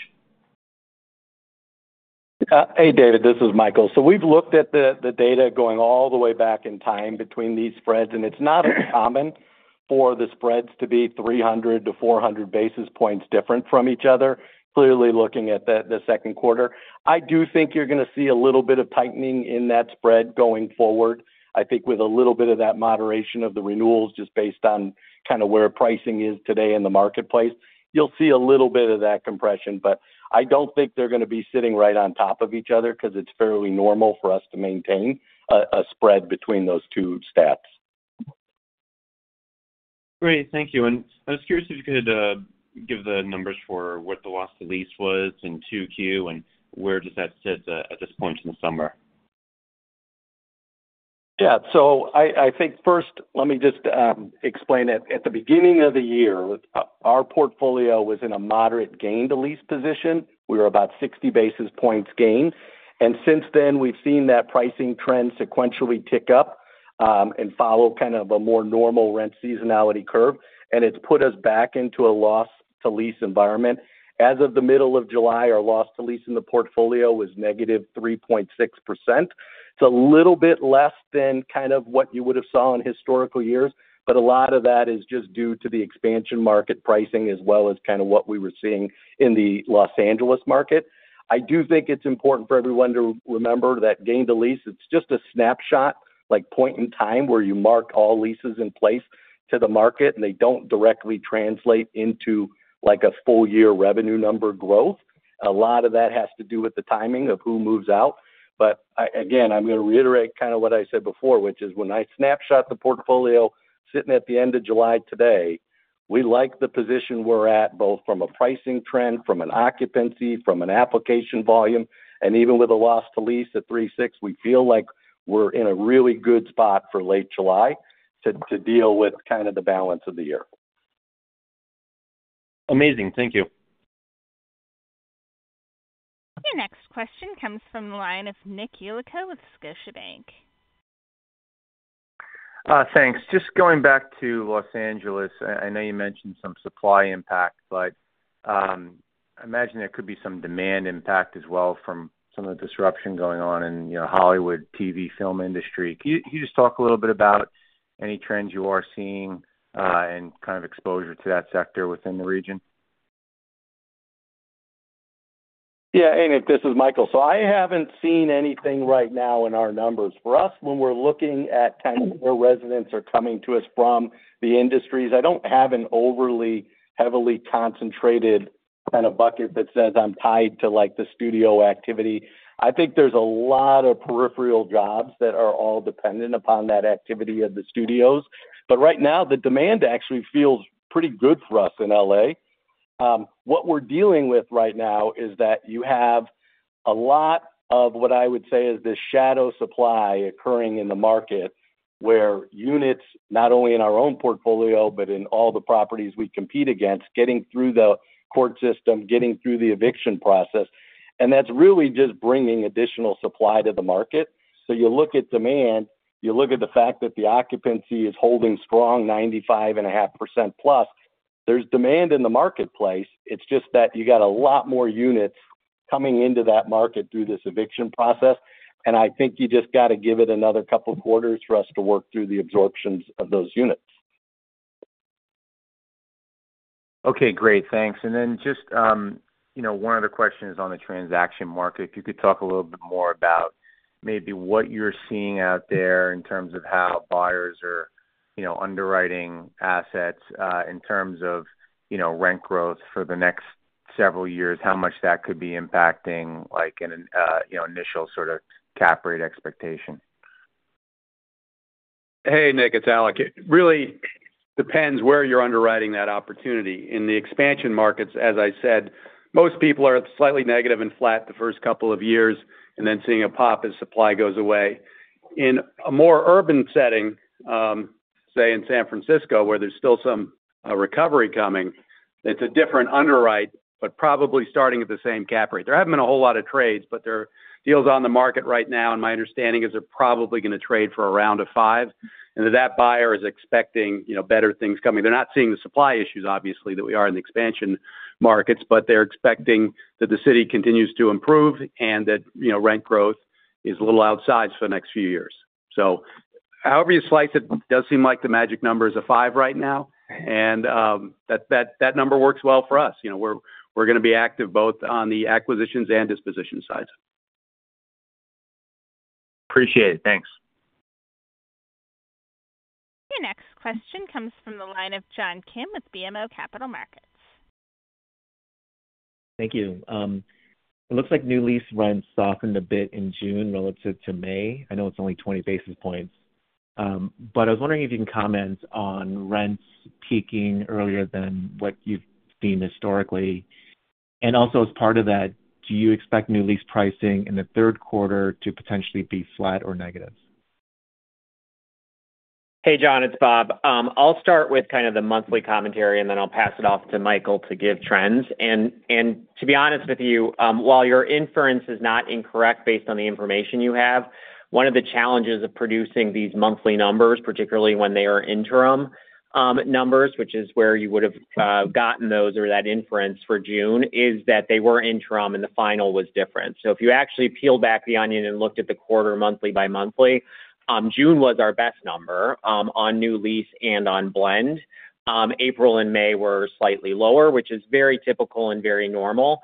Hey, David, this is Michael. So we've looked at the data going all the way back in time between these spreads, and it's not uncommon for the spreads to be 300-400 basis points different from each other, clearly looking at the second quarter. I do think you're going to see a little bit of tightening in that spread going forward. I think with a little bit of that moderation of the renewals just based on kind of where pricing is today in the marketplace, you'll see a little bit of that compression. But I don't think they're going to be sitting right on top of each other because it's fairly normal for us to maintain a spread between those two stats. Great. Thank you. I was curious if you could give the numbers for what the loss to lease was in 2Q and where does that sit at this point in the summer? Yeah. So I think first, let me just explain it. At the beginning of the year, our portfolio was in a moderate gain to lease position. We were about 60 basis points gain. And since then, we've seen that pricing trend sequentially tick up and follow kind of a more normal rent seasonality curve. And it's put us back into a loss to lease environment. As of the middle of July, our loss to lease in the portfolio was negative 3.6%. It's a little bit less than kind of what you would have saw in historical years, but a lot of that is just due to the expansion market pricing as well as kind of what we were seeing in the Los Angeles market. I do think it's important for everyone to remember that gain to lease, it's just a snapshot, like point in time where you mark all leases in place to the market, and they don't directly translate into like a full year revenue number growth. A lot of that has to do with the timing of who moves out. But again, I'm going to reiterate kind of what I said before, which is when I snapshot the portfolio sitting at the end of July today, we like the position we're at both from a pricing trend, from an occupancy, from an application volume, and even with a loss to lease at 3.6, we feel like we're in a really good spot for late July to deal with kind of the balance of the year. Amazing. Thank you. The next question comes from the line of Nick Yulico with Scotiabank. Thanks. Just going back to Los Angeles, I know you mentioned some supply impact, but I imagine there could be some demand impact as well from some of the disruption going on in, you know, Hollywood TV film industry. Can you just talk a little bit about any trends you are seeing and kind of exposure to that sector within the region? Yeah. Hey, Nick, this is Michael. So I haven't seen anything right now in our numbers. For us, when we're looking at kind of where residents are coming to us from the industries, I don't have an overly heavily concentrated kind of bucket that says I'm tied to like the studio activity. I think there's a lot of peripheral jobs that are all dependent upon that activity of the studios. But right now, the demand actually feels pretty good for us in L.A. What we're dealing with right now is that you have a lot of what I would say is this shadow supply occurring in the market where units, not only in our own portfolio, but in all the properties we compete against, getting through the court system, getting through the eviction process. And that's really just bringing additional supply to the market. You look at demand, you look at the fact that the occupancy is holding strong, 95.5% plus. There's demand in the marketplace. It's just that you got a lot more units coming into that market through this eviction process. I think you just got to give it another couple of quarters for us to work through the absorptions of those units. Okay. Great. Thanks. And then just, you know, one other question is on the transaction market. If you could talk a little bit more about maybe what you're seeing out there in terms of how buyers are, you know, underwriting assets in terms of, you know, rent growth for the next several years, how much that could be impacting like an, you know, initial sort of cap rate expectation. Hey, Nick, it's Alec. It really depends where you're underwriting that opportunity. In the expansion markets, as I said, most people are slightly negative and flat the first couple of years and then seeing a pop as supply goes away. In a more urban setting, say in San Francisco, where there's still some recovery coming, it's a different underwrite, but probably starting at the same cap rate. There haven't been a whole lot of trades, but there are deals on the market right now. And my understanding is they're probably going to trade for around a five. And that buyer is expecting, you know, better things coming. They're not seeing the supply issues, obviously, that we are in the expansion markets, but they're expecting that the city continues to improve and that, you know, rent growth is a little outsized for the next few years. However you slice it, it does seem like the magic number is five right now. That number works well for us. You know, we're going to be active both on the acquisitions and disposition sides. Appreciate it. Thanks. The next question comes from the line of John Kim with BMO Capital Markets. Thank you. It looks like new lease rents softened a bit in June relative to May. I know it's only 20 basis points. But I was wondering if you can comment on rents peaking earlier than what you've seen historically. And also as part of that, do you expect new lease pricing in the third quarter to potentially be flat or negative? Hey, John, it's Bob. I'll start with kind of the monthly commentary and then I'll pass it off to Michael to give trends. And to be honest with you, while your inference is not incorrect based on the information you have, one of the challenges of producing these monthly numbers, particularly when they are interim numbers, which is where you would have gotten those or that inference for June, is that they were interim and the final was different. So if you actually peel back the onion and looked at the quarter monthly by monthly, June was our best number on new lease and on blend. April and May were slightly lower, which is very typical and very normal.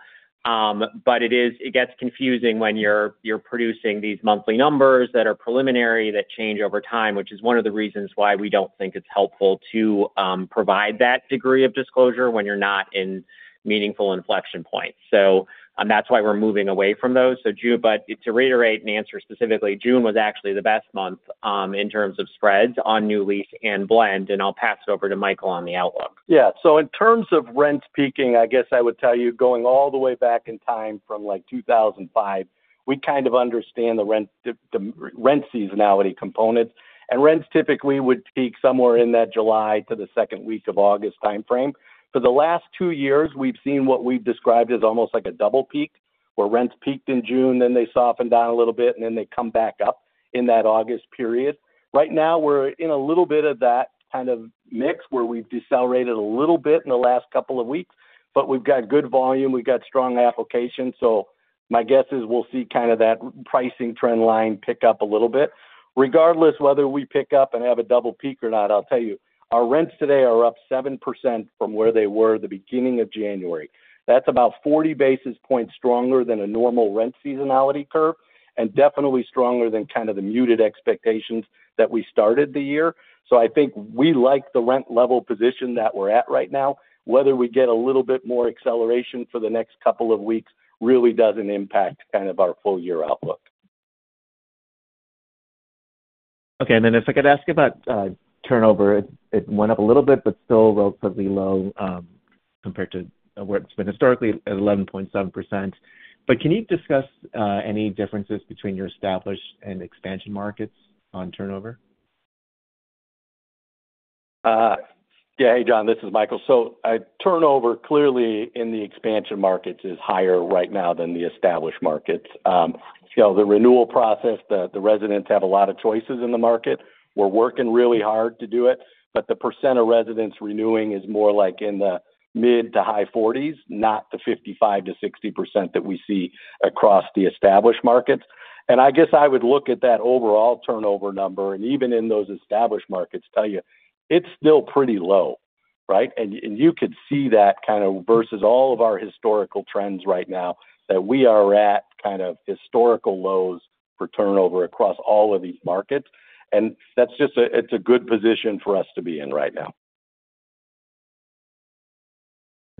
But it is; it gets confusing when you're producing these monthly numbers that are preliminary that change over time, which is one of the reasons why we don't think it's helpful to provide that degree of disclosure when you're not in meaningful inflection points. So that's why we're moving away from those. So June, but to reiterate and answer specifically, June was actually the best month in terms of spreads on new lease and blend. And I'll pass it over to Michael on the outlook. Yeah. So in terms of rents peaking, I guess I would tell you going all the way back in time from like 2005, we kind of understand the rent seasonality component. And rents typically would peak somewhere in that July to the second week of August timeframe. For the last two years, we've seen what we've described as almost like a double peak where rents peaked in June, then they softened down a little bit, and then they come back up in that August period. Right now, we're in a little bit of that kind of mix where we've decelerated a little bit in the last couple of weeks, but we've got good volume, we've got strong application. So my guess is we'll see kind of that pricing trend line pick up a little bit. Regardless whether we pick up and have a double peak or not, I'll tell you, our rents today are up 7% from where they were at the beginning of January. That's about 40 basis points stronger than a normal rent seasonality curve and definitely stronger than kind of the muted expectations that we started the year. So I think we like the rent level position that we're at right now. Whether we get a little bit more acceleration for the next couple of weeks really doesn't impact kind of our full year outlook. Okay. And then if I could ask about turnover, it went up a little bit, but still relatively low compared to where it's been historically at 11.7%. But can you discuss any differences between your established and expansion markets on turnover? Yeah. Hey, John, this is Michael. So turnover clearly in the expansion markets is higher right now than the established markets. You know, the renewal process, the residents have a lot of choices in the market. We're working really hard to do it, but the percent of residents renewing is more like in the mid- to high 40s%, not the 55%-60% that we see across the established markets. And I guess I would look at that overall turnover number and even in those established markets tell you it's still pretty low, right? And you could see that kind of versus all of our historical trends right now that we are at kind of historical lows for turnover across all of these markets. And that's just a, it's a good position for us to be in right now.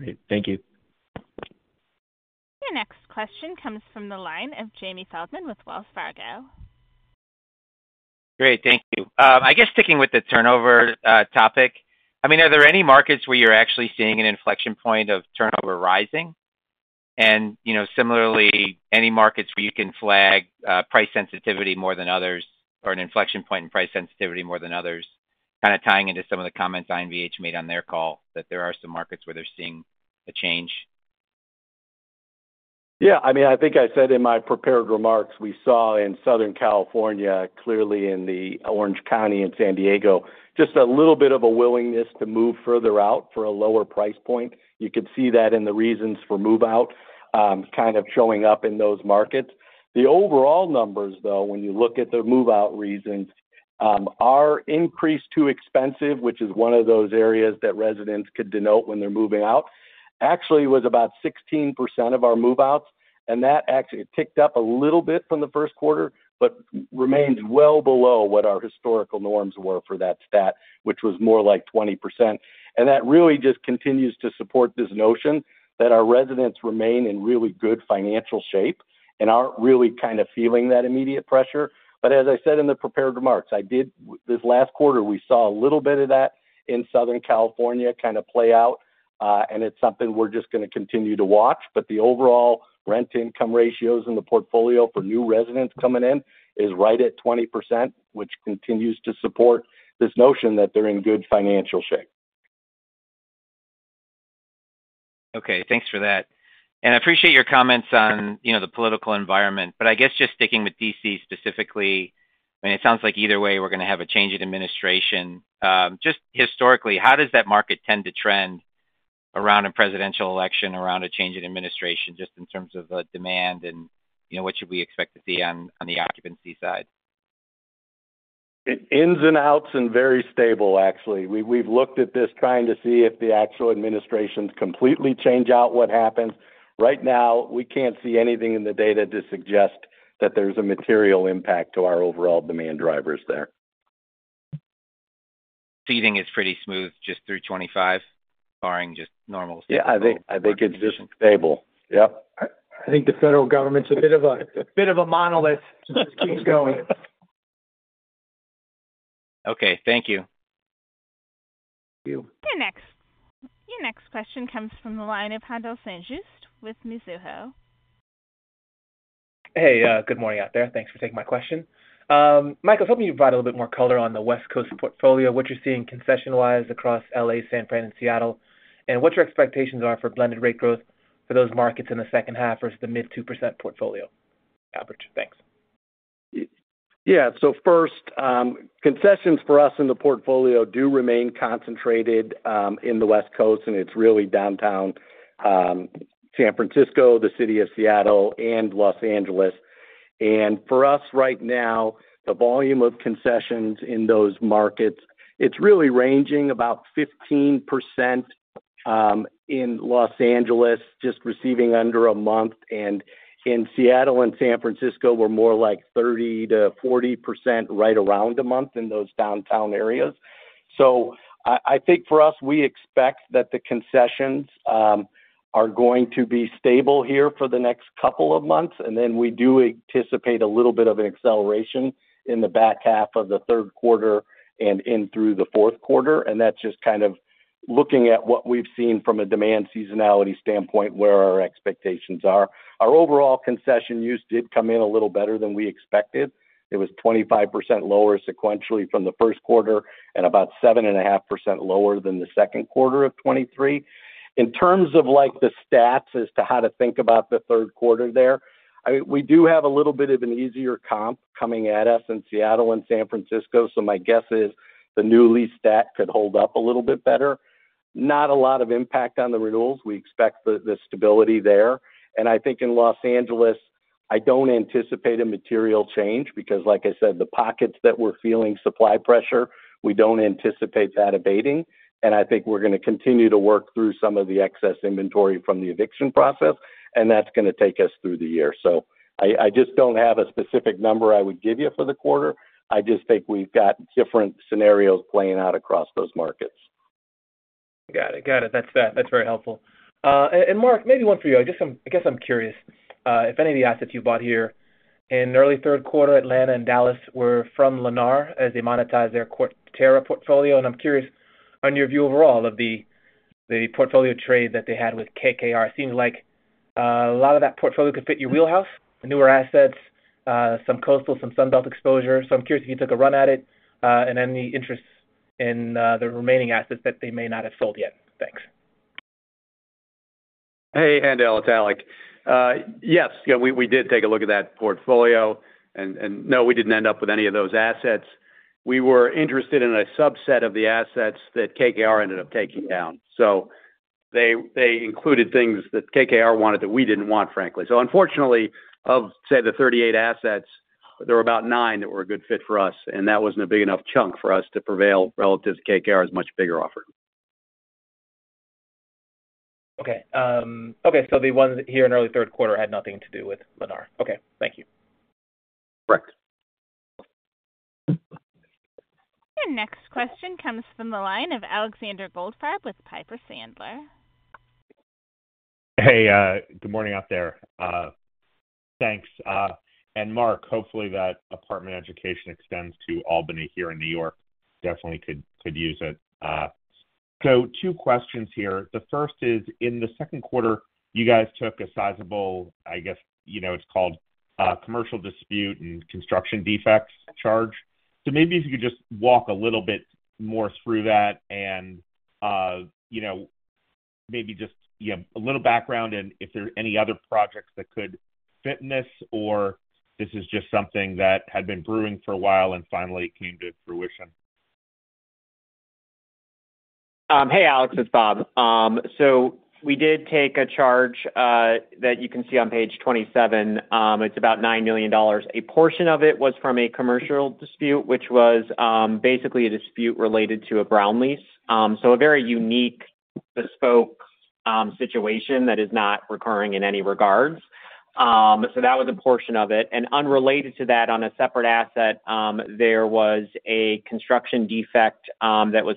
Great. Thank you. The next question comes from the line of Jamie Feldman with Wells Fargo. Great. Thank you. I guess sticking with the turnover topic, I mean, are there any markets where you're actually seeing an inflection point of turnover rising? And, you know, similarly, any markets where you can flag price sensitivity more than others or an inflection point in price sensitivity more than others, kind of tying into some of the comments INVH made on their call that there are some markets where they're seeing a change? Yeah. I mean, I think I said in my prepared remarks, we saw in Southern California, clearly in the Orange County and San Diego, just a little bit of a willingness to move further out for a lower price point. You could see that in the reasons for move-out kind of showing up in those markets. The overall numbers, though, when you look at the move-out reasons, our "too expensive," which is one of those areas that residents could denote when they're moving out, actually was about 16% of our move-outs. And that actually ticked up a little bit from the first quarter, but remains well below what our historical norms were for that stat, which was more like 20%. And that really just continues to support this notion that our residents remain in really good financial shape and aren't really kind of feeling that immediate pressure. But as I said in the prepared remarks, I did, this last quarter, we saw a little bit of that in Southern California kind of play out. And it's something we're just going to continue to watch. But the overall rent-to-income ratios in the portfolio for new residents coming in is right at 20%, which continues to support this notion that they're in good financial shape. Okay. Thanks for that. And I appreciate your comments on, you know, the political environment. But I guess just sticking with D.C. specifically, I mean, it sounds like either way we're going to have a change in administration. Just historically, how does that market tend to trend around a presidential election, around a change in administration, just in terms of demand and, you know, what should we expect to see on the occupancy side? Its ins and outs and very stable, actually. We've looked at this trying to see if the actual administrations completely change out what happens. Right now, we can't see anything in the data to suggest that there's a material impact to our overall demand drivers there. Leasing is pretty smooth, just through 2025, barring just normal leasing. Yeah. I think it's just stable. Yep. I think the federal government's a bit of a monolith. It just keeps going. Okay. Thank you. The next question comes from the line of Haendel St. Juste with Mizuho. Hey, good morning out there. Thanks for taking my question. Michael, help me provide a little bit more color on the West Coast portfolio, what you're seeing concession-wise across L.A., San Fran, and Seattle, and what your expectations are for blended rate growth for those markets in the second half versus the mid-2% portfolio average. Thanks. Yeah. So first, concessions for us in the portfolio do remain concentrated in the West Coast, and it's really downtown San Francisco, the city of Seattle, and Los Angeles. And for us right now, the volume of concessions in those markets, it's really ranging about 15% in Los Angeles just receiving under a month. And in Seattle and San Francisco, we're more like 30%-40% right around a month in those downtown areas. So I think for us, we expect that the concessions are going to be stable here for the next couple of months. And then we do anticipate a little bit of an acceleration in the back half of the third quarter and in through the fourth quarter. And that's just kind of looking at what we've seen from a demand seasonality standpoint where our expectations are. Our overall concession use did come in a little better than we expected. It was 25% lower sequentially from the first quarter and about 7.5% lower than the second quarter of 2023. In terms of like the stats as to how to think about the third quarter there, I mean, we do have a little bit of an easier comp coming at us in Seattle and San Francisco. So my guess is the new lease stat could hold up a little bit better. Not a lot of impact on the renewals. We expect the stability there. And I think in Los Angeles, I don't anticipate a material change because, like I said, the pockets that we're feeling supply pressure, we don't anticipate that abating. And I think we're going to continue to work through some of the excess inventory from the eviction process. That's going to take us through the year. I just don't have a specific number I would give you for the quarter. I just think we've got different scenarios playing out across those markets. Got it. Got it. That's very helpful. And Mark, maybe one for you. I guess I'm curious if any of the assets you bought here in early third quarter, Atlanta and Dallas were from Lennar as they monetize their Terra portfolio. And I'm curious on your view overall of the portfolio trade that they had with KKR. It seems like a lot of that portfolio could fit your wheelhouse, newer assets, some coastal, some Sunbelt exposure. So I'm curious if you took a run at it and any interest in the remaining assets that they may not have sold yet. Thanks. Hey, Haendel, it's Alec. Yes. Yeah, we did take a look at that portfolio. And no, we didn't end up with any of those assets. We were interested in a subset of the assets that KKR ended up taking down. So they included things that KKR wanted that we didn't want, frankly. So unfortunately, of, say, the 38 assets, there were about nine that were a good fit for us. And that wasn't a big enough chunk for us to prevail relative to KKR's much bigger offer. Okay. Okay. So the ones here in early third quarter had nothing to do with Lennar. Okay. Thank you. Correct. The next question comes from the line of Alexander Goldfarb with Piper Sandler. Hey, good morning out there. Thanks. And Mark, hopefully that apartment education extends to Albany here in New York. Definitely could use it. So two questions here. The first is, in the second quarter, you guys took a sizable, I guess, you know, it's called commercial dispute and construction defects charge. So maybe if you could just walk a little bit more through that and, you know, maybe just, you know, a little background and if there are any other projects that could fit in this or this is just something that had been brewing for a while and finally came to fruition. Hey, Alex, it's Bob. So we did take a charge that you can see on page 27. It's about $9 million. A portion of it was from a commercial dispute, which was basically a dispute related to a brown lease. So a very unique bespoke situation that is not recurring in any regards. So that was a portion of it. And unrelated to that, on a separate asset, there was a construction defect that was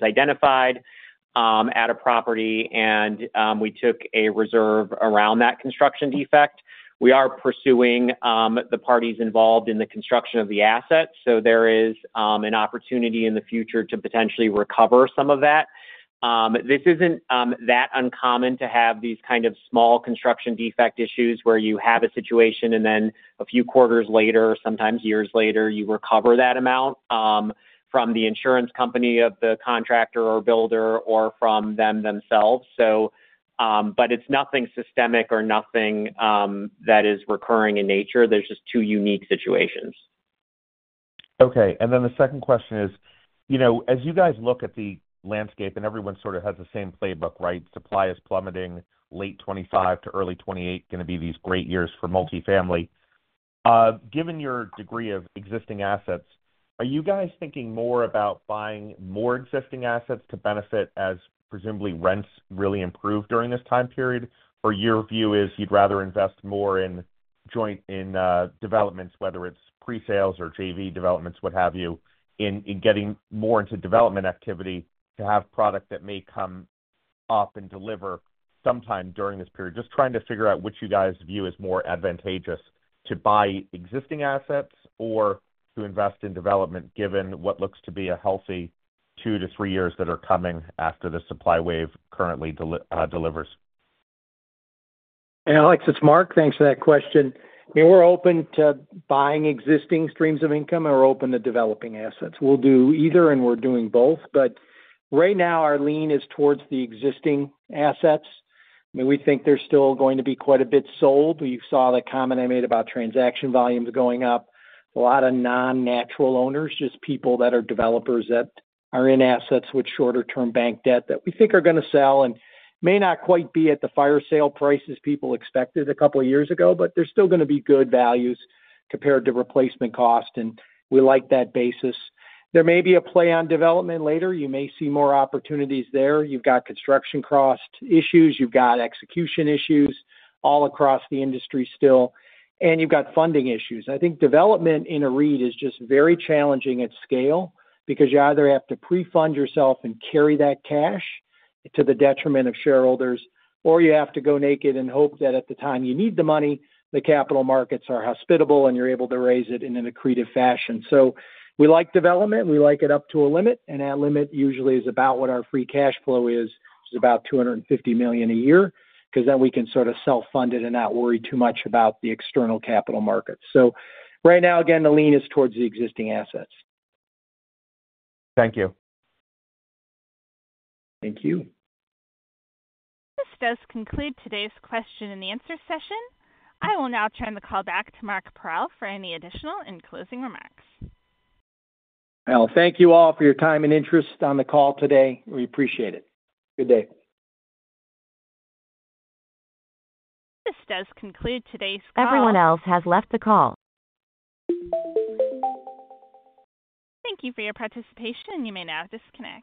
identified at a property. And we took a reserve around that construction defect. We are pursuing the parties involved in the construction of the asset. So there is an opportunity in the future to potentially recover some of that. This isn't that uncommon to have these kind of small construction defect issues where you have a situation and then a few quarters later, sometimes years later, you recover that amount from the insurance company of the contractor or builder or from them themselves. So, but it's nothing systemic or nothing that is recurring in nature. There's just two unique situations. Okay. And then the second question is, you know, as you guys look at the landscape and everyone sort of has the same playbook, right? Supply is plummeting, late 2025 to early 2028 going to be these great years for multifamily. Given your degree of existing assets, are you guys thinking more about buying more existing assets to benefit as presumably rents really improve during this time period? Or your view is you'd rather invest more in joint developments, whether it's pre-sales or JV developments, what have you, in getting more into development activity to have product that may come up and deliver sometime during this period? Just trying to figure out what you guys view as more advantageous to buy existing assets or to invest in development given what looks to be a healthy two to three years that are coming after the supply wave currently delivers. Hey, Alex, it's Mark. Thanks for that question. I mean, we're open to buying existing streams of income and we're open to developing assets. We'll do either and we're doing both. But right now, our lean is towards the existing assets. I mean, we think there's still going to be quite a bit sold. You saw the comment I made about transaction volumes going up. A lot of non-natural owners, just people that are developers that are in assets with shorter-term bank debt that we think are going to sell and may not quite be at the fire sale prices people expected a couple of years ago, but they're still going to be good values compared to replacement cost. And we like that basis. There may be a play on development later. You may see more opportunities there. You've got construction cost issues. You've got execution issues all across the industry still. And you've got funding issues. I think development in a REIT is just very challenging at scale because you either have to pre-fund yourself and carry that cash to the detriment of shareholders, or you have to go naked and hope that at the time you need the money, the capital markets are hospitable and you're able to raise it in an accretive fashion. So we like development. We like it up to a limit. And that limit usually is about what our free cash flow is, which is about $250 million a year, because then we can sort of self-fund it and not worry too much about the external capital markets. So right now, again, the lean is towards the existing assets. Thank you. Thank you. This does conclude today's question and answer session. I will now turn the call back to Mark Parrell for any additional and closing remarks. Well, thank you all for your time and interest on the call today. We appreciate it. Good day. This does conclude today's call. Everyone else has left the call. Thank you for your participation. You may now disconnect.